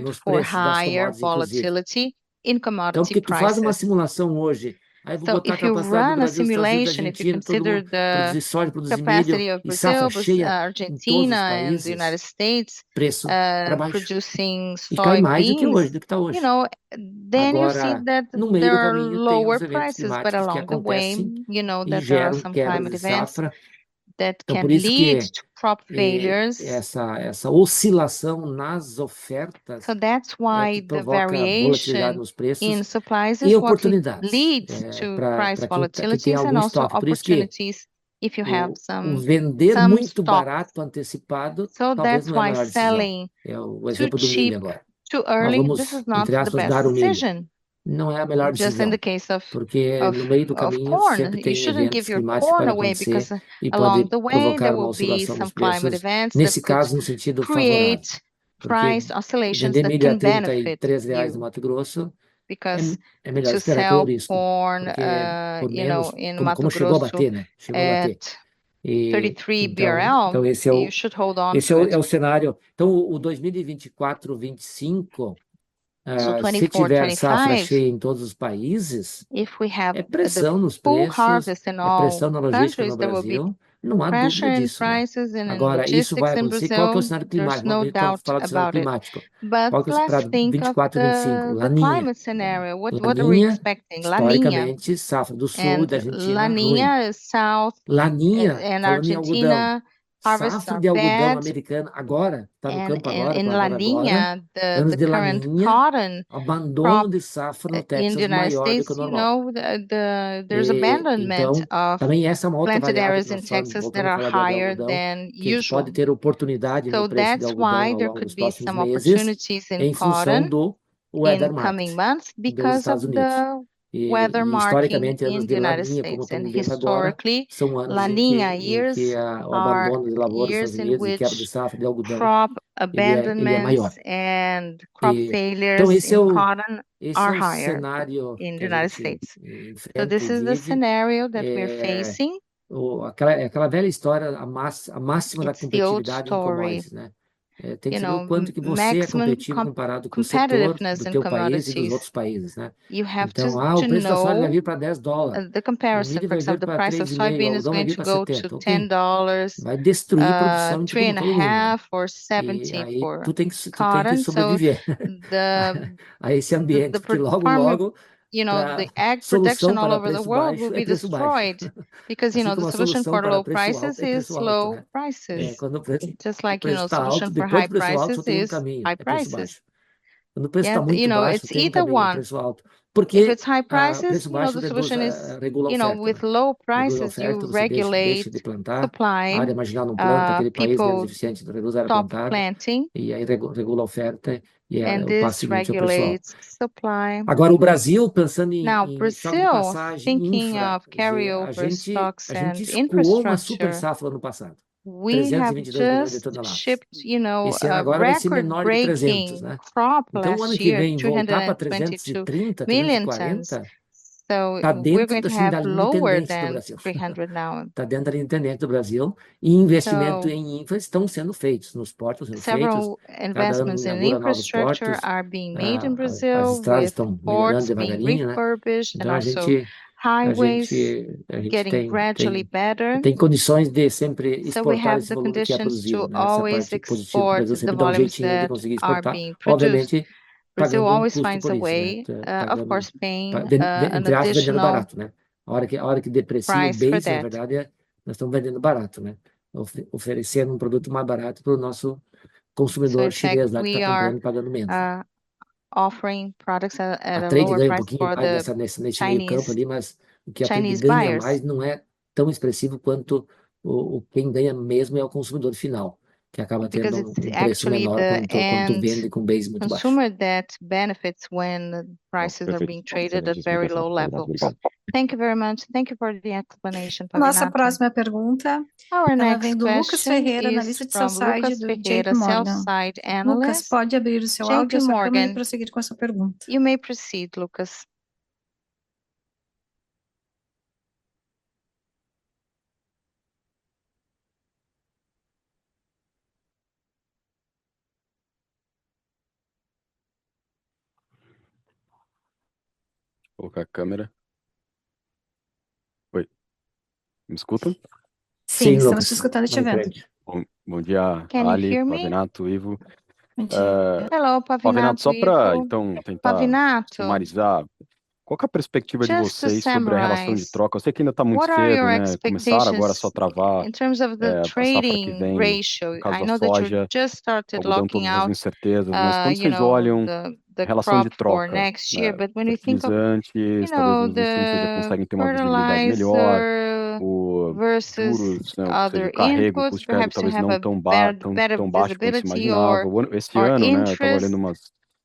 nos preços das commodities então o que você faz uma simulação hoje, aí vou colocar a capacidade de produção se você roda uma simulação, se você considera a soja produzindo média a capacidade de produção da Argentina, dos Estados Unidos, preço para baixo produzindo cai mais do que hoje, do que está hoje você sabe, então você vê que há preços mais baixos, mas ao longo do caminho, você sabe, há alguns eventos climáticos que podem levar a perdas de safra essa oscilação nas ofertas então é por isso que a variação nas ofertas e oportunidades leva a volatilidades de preços e também oportunidades se você tem algum vender muito barato, antecipado, talvez mais barato então é por isso que vender muito cedo, essa não é a melhor decisão é o exemplo do milho agora não é a melhor decisão porque no meio do caminho sempre tem esse porque no caso de eventos climáticos você não deveria dar seu milho de graça porque ao longo do caminho provocaram oscilação de preço, nesse caso, no sentido favorável criam oscilações de preços que podem beneficiar R$ 3,00 no Mato Grosso, é melhor esperar pelo risco, porque, você sabe, como chegou a bater, né? Chegou a bater 33 BRL, então esse é o cenário. Então o 2024-25, se tiver safra cheia em todos os países, é pressão nos preços, é pressão na logística no Brasil, não há dúvida disso. Agora isso vai acontecer, qual que é o cenário climático? Não estou falando do cenário climático, qual que é o esperado em 24-25? La Niña, what are we expecting teoricamente? Safra do sul da Argentina La Niña, South La Niña é na Argentina, safra de algodão americana. Agora está no campo agora para a lavoura, anos de La Niña, abandono de safra no Texas é maior do que no Norte. You know, there's abandonment of planted areas in Texas that are higher than usual que pode ter oportunidade no preço de soja. So that's why there could be some opportunities in corn em coming months, because of the weather market historically. La Niña years, abandono de lavouras in the years with the crop abandonment and crop failures in corn are higher in the United States. So this is the scenario that we're facing. Aquela é aquela velha história, a máxima da competitividade em commodities, né? Tem que ver o quanto que você é competitivo comparado com seus companheiros e com os outros países, né? Então o preço da soja vai vir para $10 dólares porque o preço da soja vai para $10 dólares, vai destruir a produção de 2025. Aí tu tem que sobreviver a esse ambiente que logo logo a produção de ovos no mundo todo vai ser destruída porque a solução para preços baixos é preços baixos. É quando o preço, a solução para preços altos é preços altos. Quando o preço está muito alto, é um ou outro, porque se são preços altos, a solução é, com preços baixos você regula a oferta. Agora imaginar plantar naquele país que é deficiente, reduzir a plantar e aí regula a oferta e é facilmente. O pessoal agora o Brasil, pensando em estoques de passagem e infraestrutura, a gente pegou uma super safra no passado, $322 dólares de tonelada. Esse ano agora recebe menor de $300, né? Então o ano que vem volta para 330, 340, só. Está dentro da independência do Brasil, está dentro da independência do Brasil, e investimento em infraestrutura estão sendo feitos, nos portos estão sendo feitos vários investimentos em infraestrutura estão sendo feitos no Brasil, as estradas estão melhorando devagarinho, né? Então a gente tem condições de sempre exportar esse volume que é produzido, sempre dá jeitinho de conseguir exportar, obviamente o Brasil sempre encontra um jeito, é claro, entre aspas, vendendo barato, né? Na hora que deprecia a base, na verdade, nós estamos vendendo barato, né? Oferecendo produto mais barato para o nosso consumidor chinês lá que está comprando e pagando menos. Trading a little bit aí nesse meio campo ali, mas o que a gente ganha a mais não é tão expressivo quanto o quem ganha mesmo é o consumidor final, que acaba tendo preço menor quanto vende com base muito baixo. Assume that benefits when prices are being traded at very low levels. Thank you very much, thank you for the explanation. Nossa próxima pergunta ela vem do Lucas Ferreira, analista de sell-side do JPMorgan. Lucas, pode abrir o seu áudio também para seguir com a sua pergunta. You may proceed, Lucas. Colocar a câmera? Oi, me escutam? Sim, estamos te escutando neste evento. Bom dia, Aline, Pavinato, Ivo. Bom dia, hello, Pavinato. Só para então tentar sumarizar qual que é a perspectiva de vocês sobre a relação de troca? Eu sei que ainda está muito cedo para começar, agora é só travar em termos da relação de negociação aí no de soja. Estamos com certeza, mas quando vocês olham a relação de troca no próximo ano, os pesticidas estão vendo que a gente consegue ter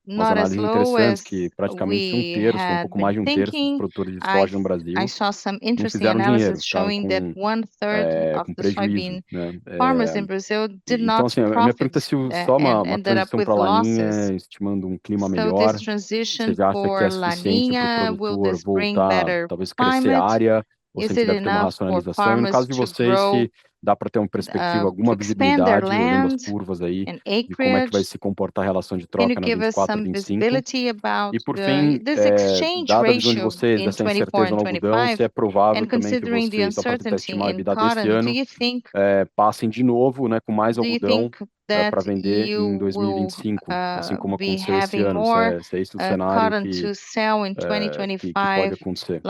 uma visibilidade melhor versus carregamentos de carga talvez não tão baixos, tão baixos que a gente imaginava este ano, né? Estamos olhando umas análises interessantes que praticamente um terço, pouco mais de um terço dos produtores de soja no Brasil conseguiram dinheiro mostrando que um terço com prejuízo. Produtores no Brasil não conseguiram, então assim, a minha pergunta é: se só uma transição para La Niña, estimando clima melhor, você já acha que é suficiente para o mercado voltar, talvez crescer a área, você ainda tem uma racionalização? E no caso de vocês, se dá para ter uma perspectiva, alguma visibilidade olhando as curvas aí e como é que vai se comportar a relação de troca na 24-25? E por fim, dados de onde vocês dessa incerteza no algodão, se é provável que também a gente consiga uma certa estimativa deste ano, passem de novo, né, com mais algodão para vender em 2025, assim como aconteceu este ano, se é isso o cenário que pode acontecer?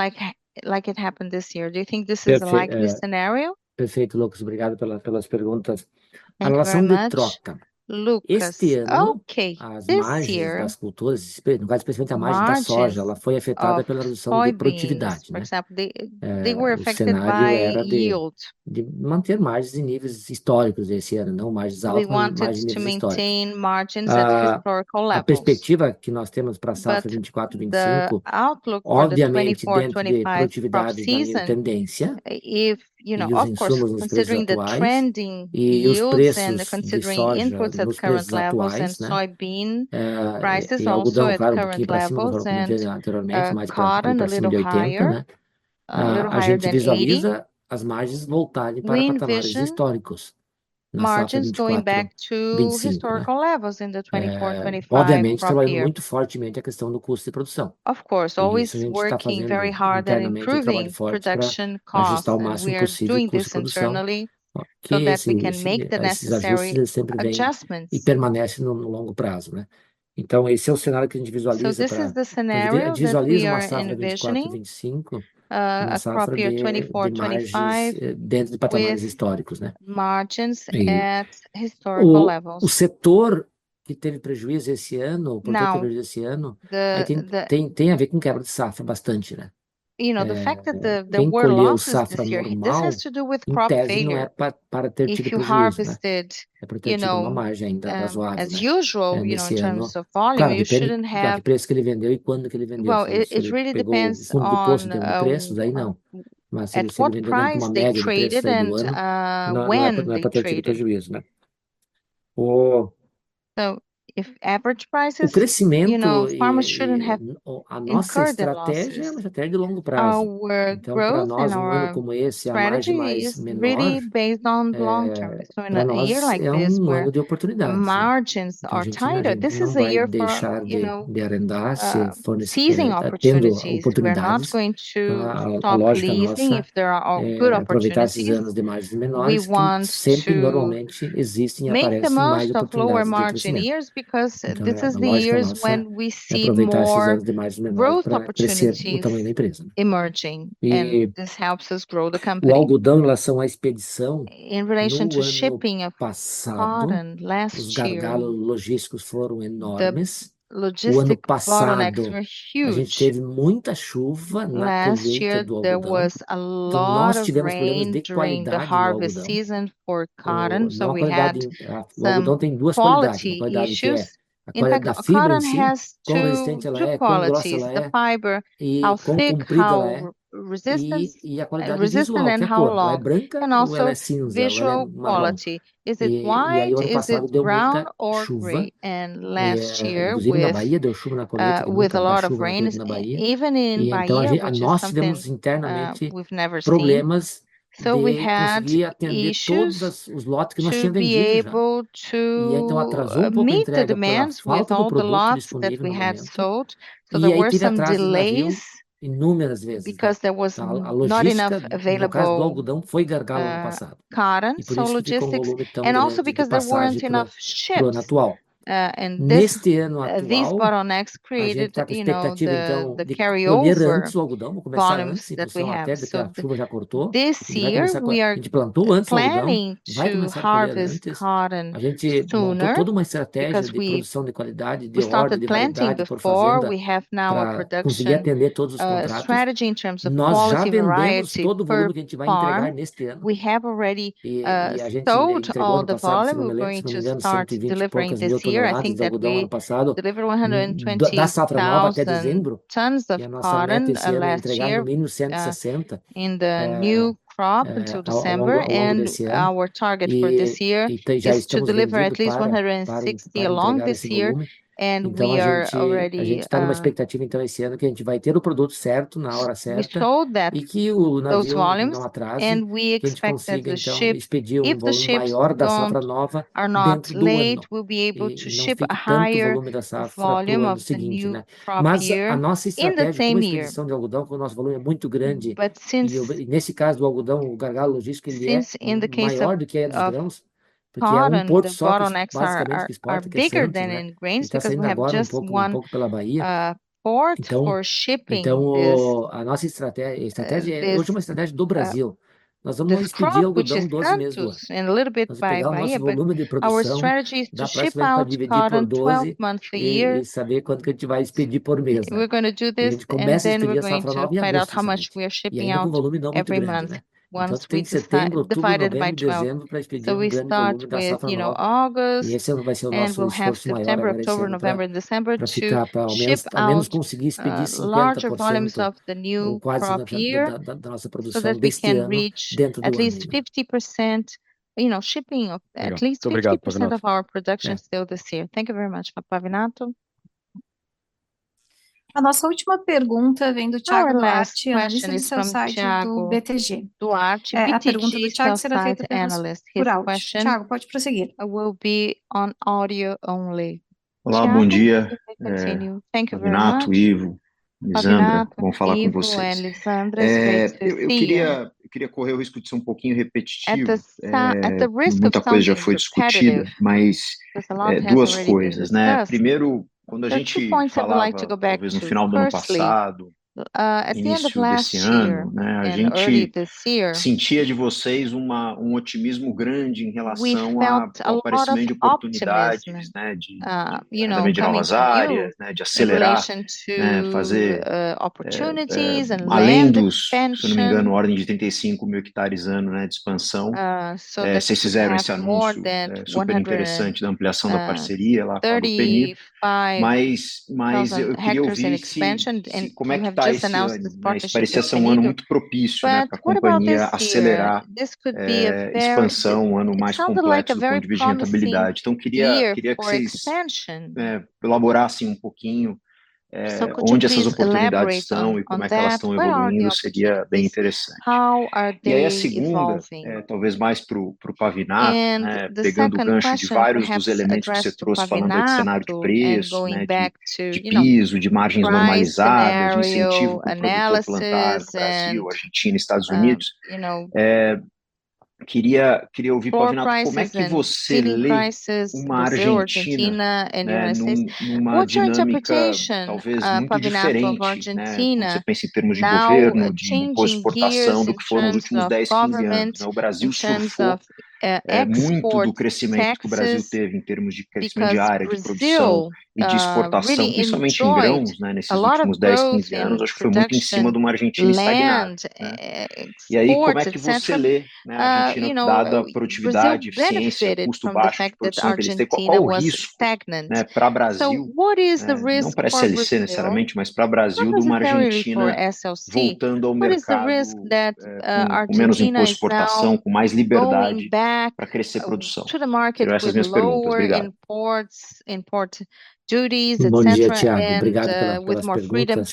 Perfeito, Lucas, obrigada pelas perguntas. A relação de troca, Lucas, este ano, as margens das culturas, no caso especificamente a margem da soja, ela foi afetada pela redução de produtividade, né? O cenário era de manter margens em níveis históricos esse ano, não margens altas, mas margens em níveis históricos. A perspectiva que nós temos para a safra 24-25, obviamente dentro de produtividade de tendência, e os insumos nos pesticidas e os preços soybean o algodão caiu pouquinho para cima do valor anteriormente, mais perto do valor de 80. A gente visualiza as margens voltarem para valores históricos, obviamente trabalhando muito fortemente a questão do custo de produção, ajustar o máximo possível o custo de produção e permanece no longo prazo. Então esse é o cenário que a gente visualiza para a safra 24-25 dentro de patamares históricos. Margins at historical levels. O setor que teve prejuízo esse ano, o produtor que teve prejuízo esse ano, aí tem a ver com quebra de safra bastante, né? You know, the fact that the world officially tem que colher a safra normal, em tese não é para ter tido prejuízo, é para ter tido uma margem ainda razoável as usual, you know, in terms of volume. E o preço que ele vendeu e quando que ele vendeu, isso é importante, quando o preço... Daí não, mas se você vender com uma média de preço no ano não é para ter tido prejuízo, né? So if average prices o crescimento, you know, a nossa estratégia é uma estratégia de longo prazo, então para nós em ano como esse a margem é mais menor really based on long term é ano de oportunidade margins are tighter this is a year for se atendo a oportunidades, aproveitar esses anos de margens menores sempre normalmente existem e aparecem make the most of lower margin years because this is the years when we see growth opportunities o tamanho da empresa emerging and this helps us grow the company o algodão em relação à expedição in relation to shipping o ano passado os gargalos logísticos foram enormes the logistics block were huge. A gente teve muita chuva na colheita do algodão nós tivemos problemas de qualidade qualidade o algodão tem duas qualidades: a qualidade da fibra em si, quão resistente ela é, quão grossa ela é, quão comprida ela é, e a qualidade do algodão and also visual quality is it white, is it brown, or gray e na Bahia deu chuva na colheita with a lot of rain então a gente nós tivemos internamente problemas de atender todos os lotes que nós tínhamos vendido e aí então atrasou pouco a entrega we felt the problems that we had sold e aí ainda atrasamos inúmeras vezes because there was not enough available por causa do algodão foi gargalo no passado cotton and also because there weren't enough ships neste ano atual these bottlenecks created, you know, the carryover vamos começar a colheita que nós não tivemos, a chuva já cortou this year. A gente plantou antes o algodão planning to harvest cotton a gente montou toda uma estratégia de produção de qualidade we started planting before we have now a production conseguir atender todos os contratos nós já vendemos todo o volume que a gente vai entregar neste ano e a gente entregou toda a safra we're going to start delivering this year. A gente entregou no ano passado delivered 120 tons of cotton last year entregamos 1,160 in the new crop until December and our target for this year is to deliver at least 160 along this year and we are already a gente está numa expectativa então esse ano que a gente vai ter o produto certo na hora certa we told that e que os navios não estão atrás and we expect that the ship, if the ship maior da safra nova we'll be able to ship a higher volume no ano seguinte, né? Mas a nossa estratégia de expedição de algodão, como o nosso volume é muito grande e nesse caso do algodão, o gargalo logístico ele é maior do que aí dos grãos, porque é porto só que basicamente que exporta algodão no exterior, pouco pela Bahia para embarque, então a nossa estratégia é a última estratégia do Brasil. Nós vamos expedir algodão 12 meses no ano e um pouco por ano o volume de produção, nossa estratégia é expedir, dividir por 12 e saber quanto que a gente vai expedir por mês. Nós vamos fazer isso, a gente começa a expedir a safra nova em agosto e aí tem algum volume novo que vem em setembro, outubro e dezembro para expedir algodão da safra nova e este será o nosso foco, vai ser o nosso esforço maior para ficar para ao menos conseguir expedir 50% do nosso produto neste ano para que possamos alcançar pelo menos 50%, você sabe, embarque de pelo menos 50% da nossa produção ainda este ano. Muito obrigado, Pavinato. A nossa última pergunta vem do Thiago Duarte analista do BTG. Duarte, a pergunta do Thiago será feita pelo analista Thiago, pode prosseguir. Estarei apenas no áudio. Olá, bom dia. Muito obrigado, Pavinato, Ivo, Lisandra, vamos falar com vocês. Eu queria correr o risco de ser pouquinho repetitivo, muita coisa já foi discutida, mas são duas coisas, né? Primeiro, quando a gente talvez no final do ano passado, início desse ano, né? A gente sentia de vocês otimismo grande em relação ao aparecimento de oportunidades, né? De também de novas áreas, né? De acelerar, né? Fazer além dos, se eu não me engano, ordem de 35.000 hectares ano, né? De expansão vocês fizeram esse anúncio super interessante da ampliação da parceria lá com a companhia, mas eu queria ouvir como é que está isso? Parecia ser ano muito propício, né? Para a companhia acelerar a expansão, ano mais completo de rentabilidade, então queria que vocês elaborassem pouquinho onde essas oportunidades estão e como é que elas estão evoluindo, seria bem interessante. A segunda, talvez mais para o Pavinato, pegando o gancho de vários dos elementos que você trouxe, falando aí de cenário de preço, né? De piso, de margens normalizadas, de incentivo para o produto plantado no Brasil, Argentina, Estados Unidos, queria ouvir Pavinato, como é que você lê uma Argentina numa dinâmica talvez muito diferente? Você pensa em termos de governo, de exportação, do que foram os últimos 10, 15 anos? O Brasil surfou muito do crescimento que o Brasil teve em termos de crescimento de área de produção e de exportação, principalmente em grãos, né? Nesses últimos 10, 15 anos, acho que foi muito em cima de uma Argentina estagnada. E aí, como é que você lê a Argentina dada a produtividade, eficiência, custo baixo, produção inteligente? Qual é o risco para o Brasil, não para a SLC necessariamente, mas para o Brasil de uma Argentina voltando ao mercado, com menos imposto de exportação, com mais liberdade para crescer a produção? Foram essas minhas perguntas, obrigado. Bom dia, Thiago, obrigado pela oportunidade.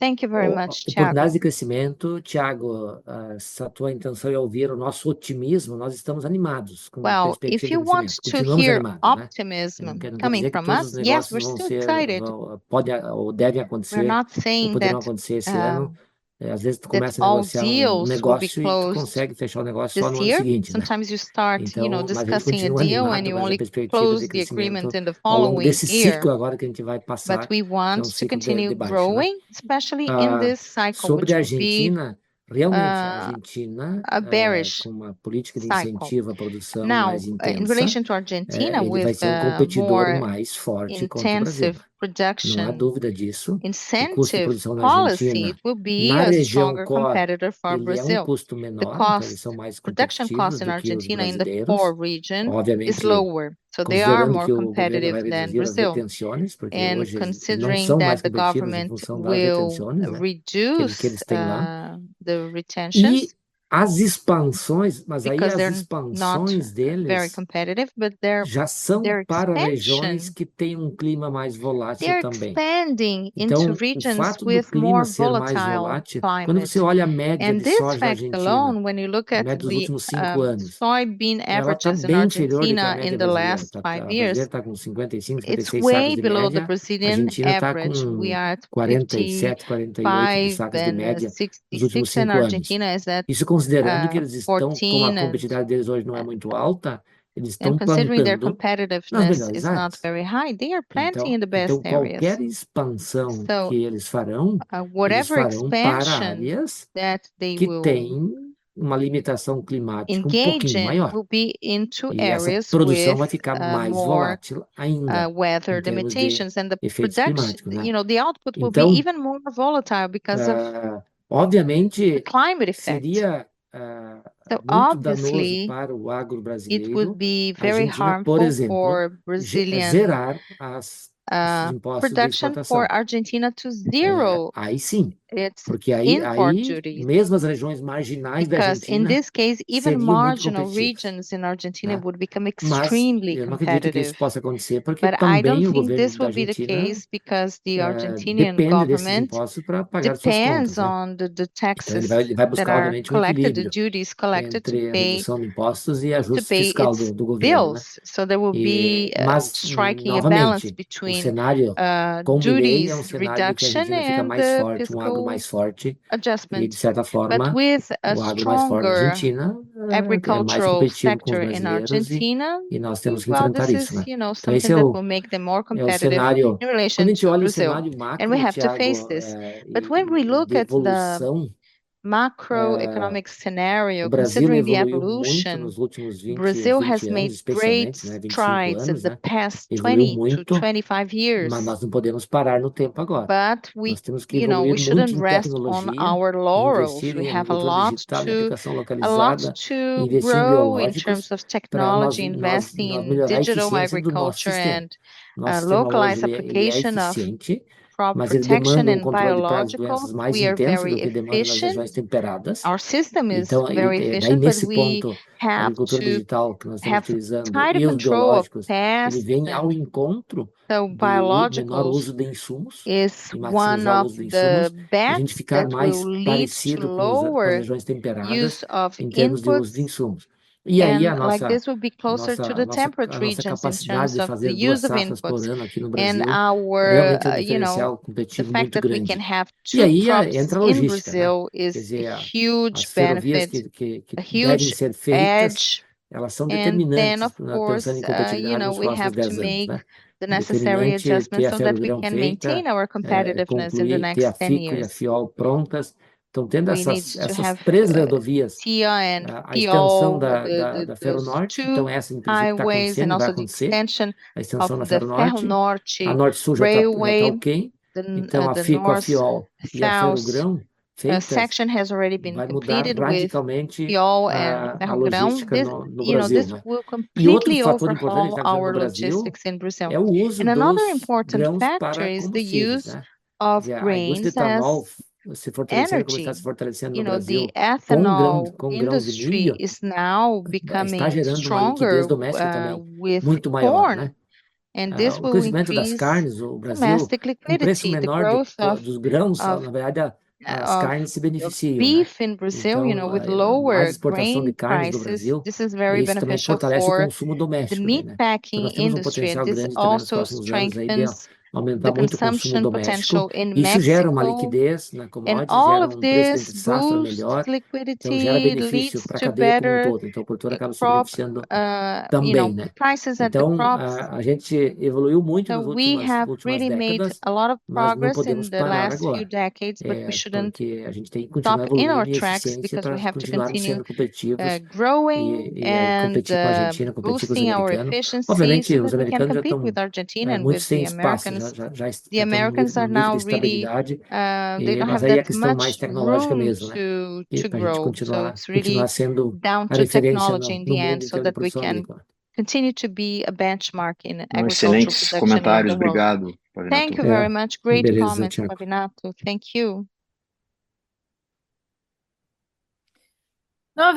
Thank you very much, Thiago. Bom dia! Se a tua intenção é ouvir o nosso otimismo, nós estamos animados com essa perspectiva. If you want to hear optimism coming from us, yes, we're still excited. Podem ou devem acontecer, poderão acontecer esse ano. Às vezes tu começas a negociar negócio e consegues fechar o negócio só no ano seguinte, né? Sometimes you start, you know, discussing a deal and you only close the agreement in the following year. Desse ciclo agora que a gente vai passar. But we want to continue growing, especially in this cycle. Sobre a Argentina, realmente, a Argentina com uma política de incentivo à produção mais intensa. In relation to Argentina, vai ser competidor mais forte sem dúvida disso. With this incentive policy, it will be a stronger competitor for Brazil. E é custo menor, eles são mais competitivos. Production cost in Argentina in the poor region is lower, so they are more competitive than Brazil. Considering that the government will reduce the retentions. E as expansões, mas aí as expansões deles já são para regiões que têm clima mais volátil também. They're expanding into regions with more volatile climates. Quando você olha a média de soja argentina, ela está com 55% abaixo da média dos últimos 5 anos. Isso considerando que eles estão, como a competitividade deles hoje não é muito alta, eles estão plantando. Considering their competitiveness is not very high, they are planting in the best areas. Então, qualquer expansão que eles farão, eles farão para áreas que têm uma limitação climática pouquinho maior. The production vai ficar mais volátil ainda. The weather limitations and the production, you know, the output will be even more volatile because of the climate effects. Seria muito danoso para o agro brasileiro. It would be very harmful for Brazilian production for Argentina to zero. Aí sim, porque aí mesmo as regiões marginais da Argentina. Because in this case, even marginal regions in Argentina would become extremely vulnerable. Eu não acredito que isso possa acontecer, porque também envolve. I don't think this will be the case, because the Argentinian government depends on the taxes. Ele vai buscar, obviamente, imposto de tributos. So there will be a striking balance between tariff duties reduction e o agro mais forte e, de certa forma, o agro mais forte da Argentina. Agricultural sector in Argentina, e nós temos que enfrentar isso. That will make them more competitive in relation to Brazil. And we have to face this. But when we look at the macroeconomic scenario, considering the evolution, Brazil has made great strides in the past 20 to 25 years. Mas nós não podemos parar no tempo agora. But we, you know, we shouldn't rest on our laurels. We have a lot to grow in terms of technology, investing in digital agriculture and localized application of protection in biological. We are very efficient. Our system is very efficient, but we have to have tight control of pests. Então, o biológico é dos... O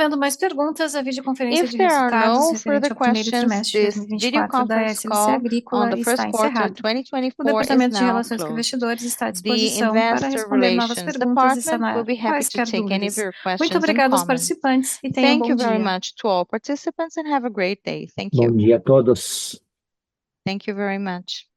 departamento de relações com investidores está à disposição para responder novas perguntas. We'll be happy to take any of your questions. Muito obrigado aos participantes e tenham bom dia. Bom dia, todos. Thank you very much.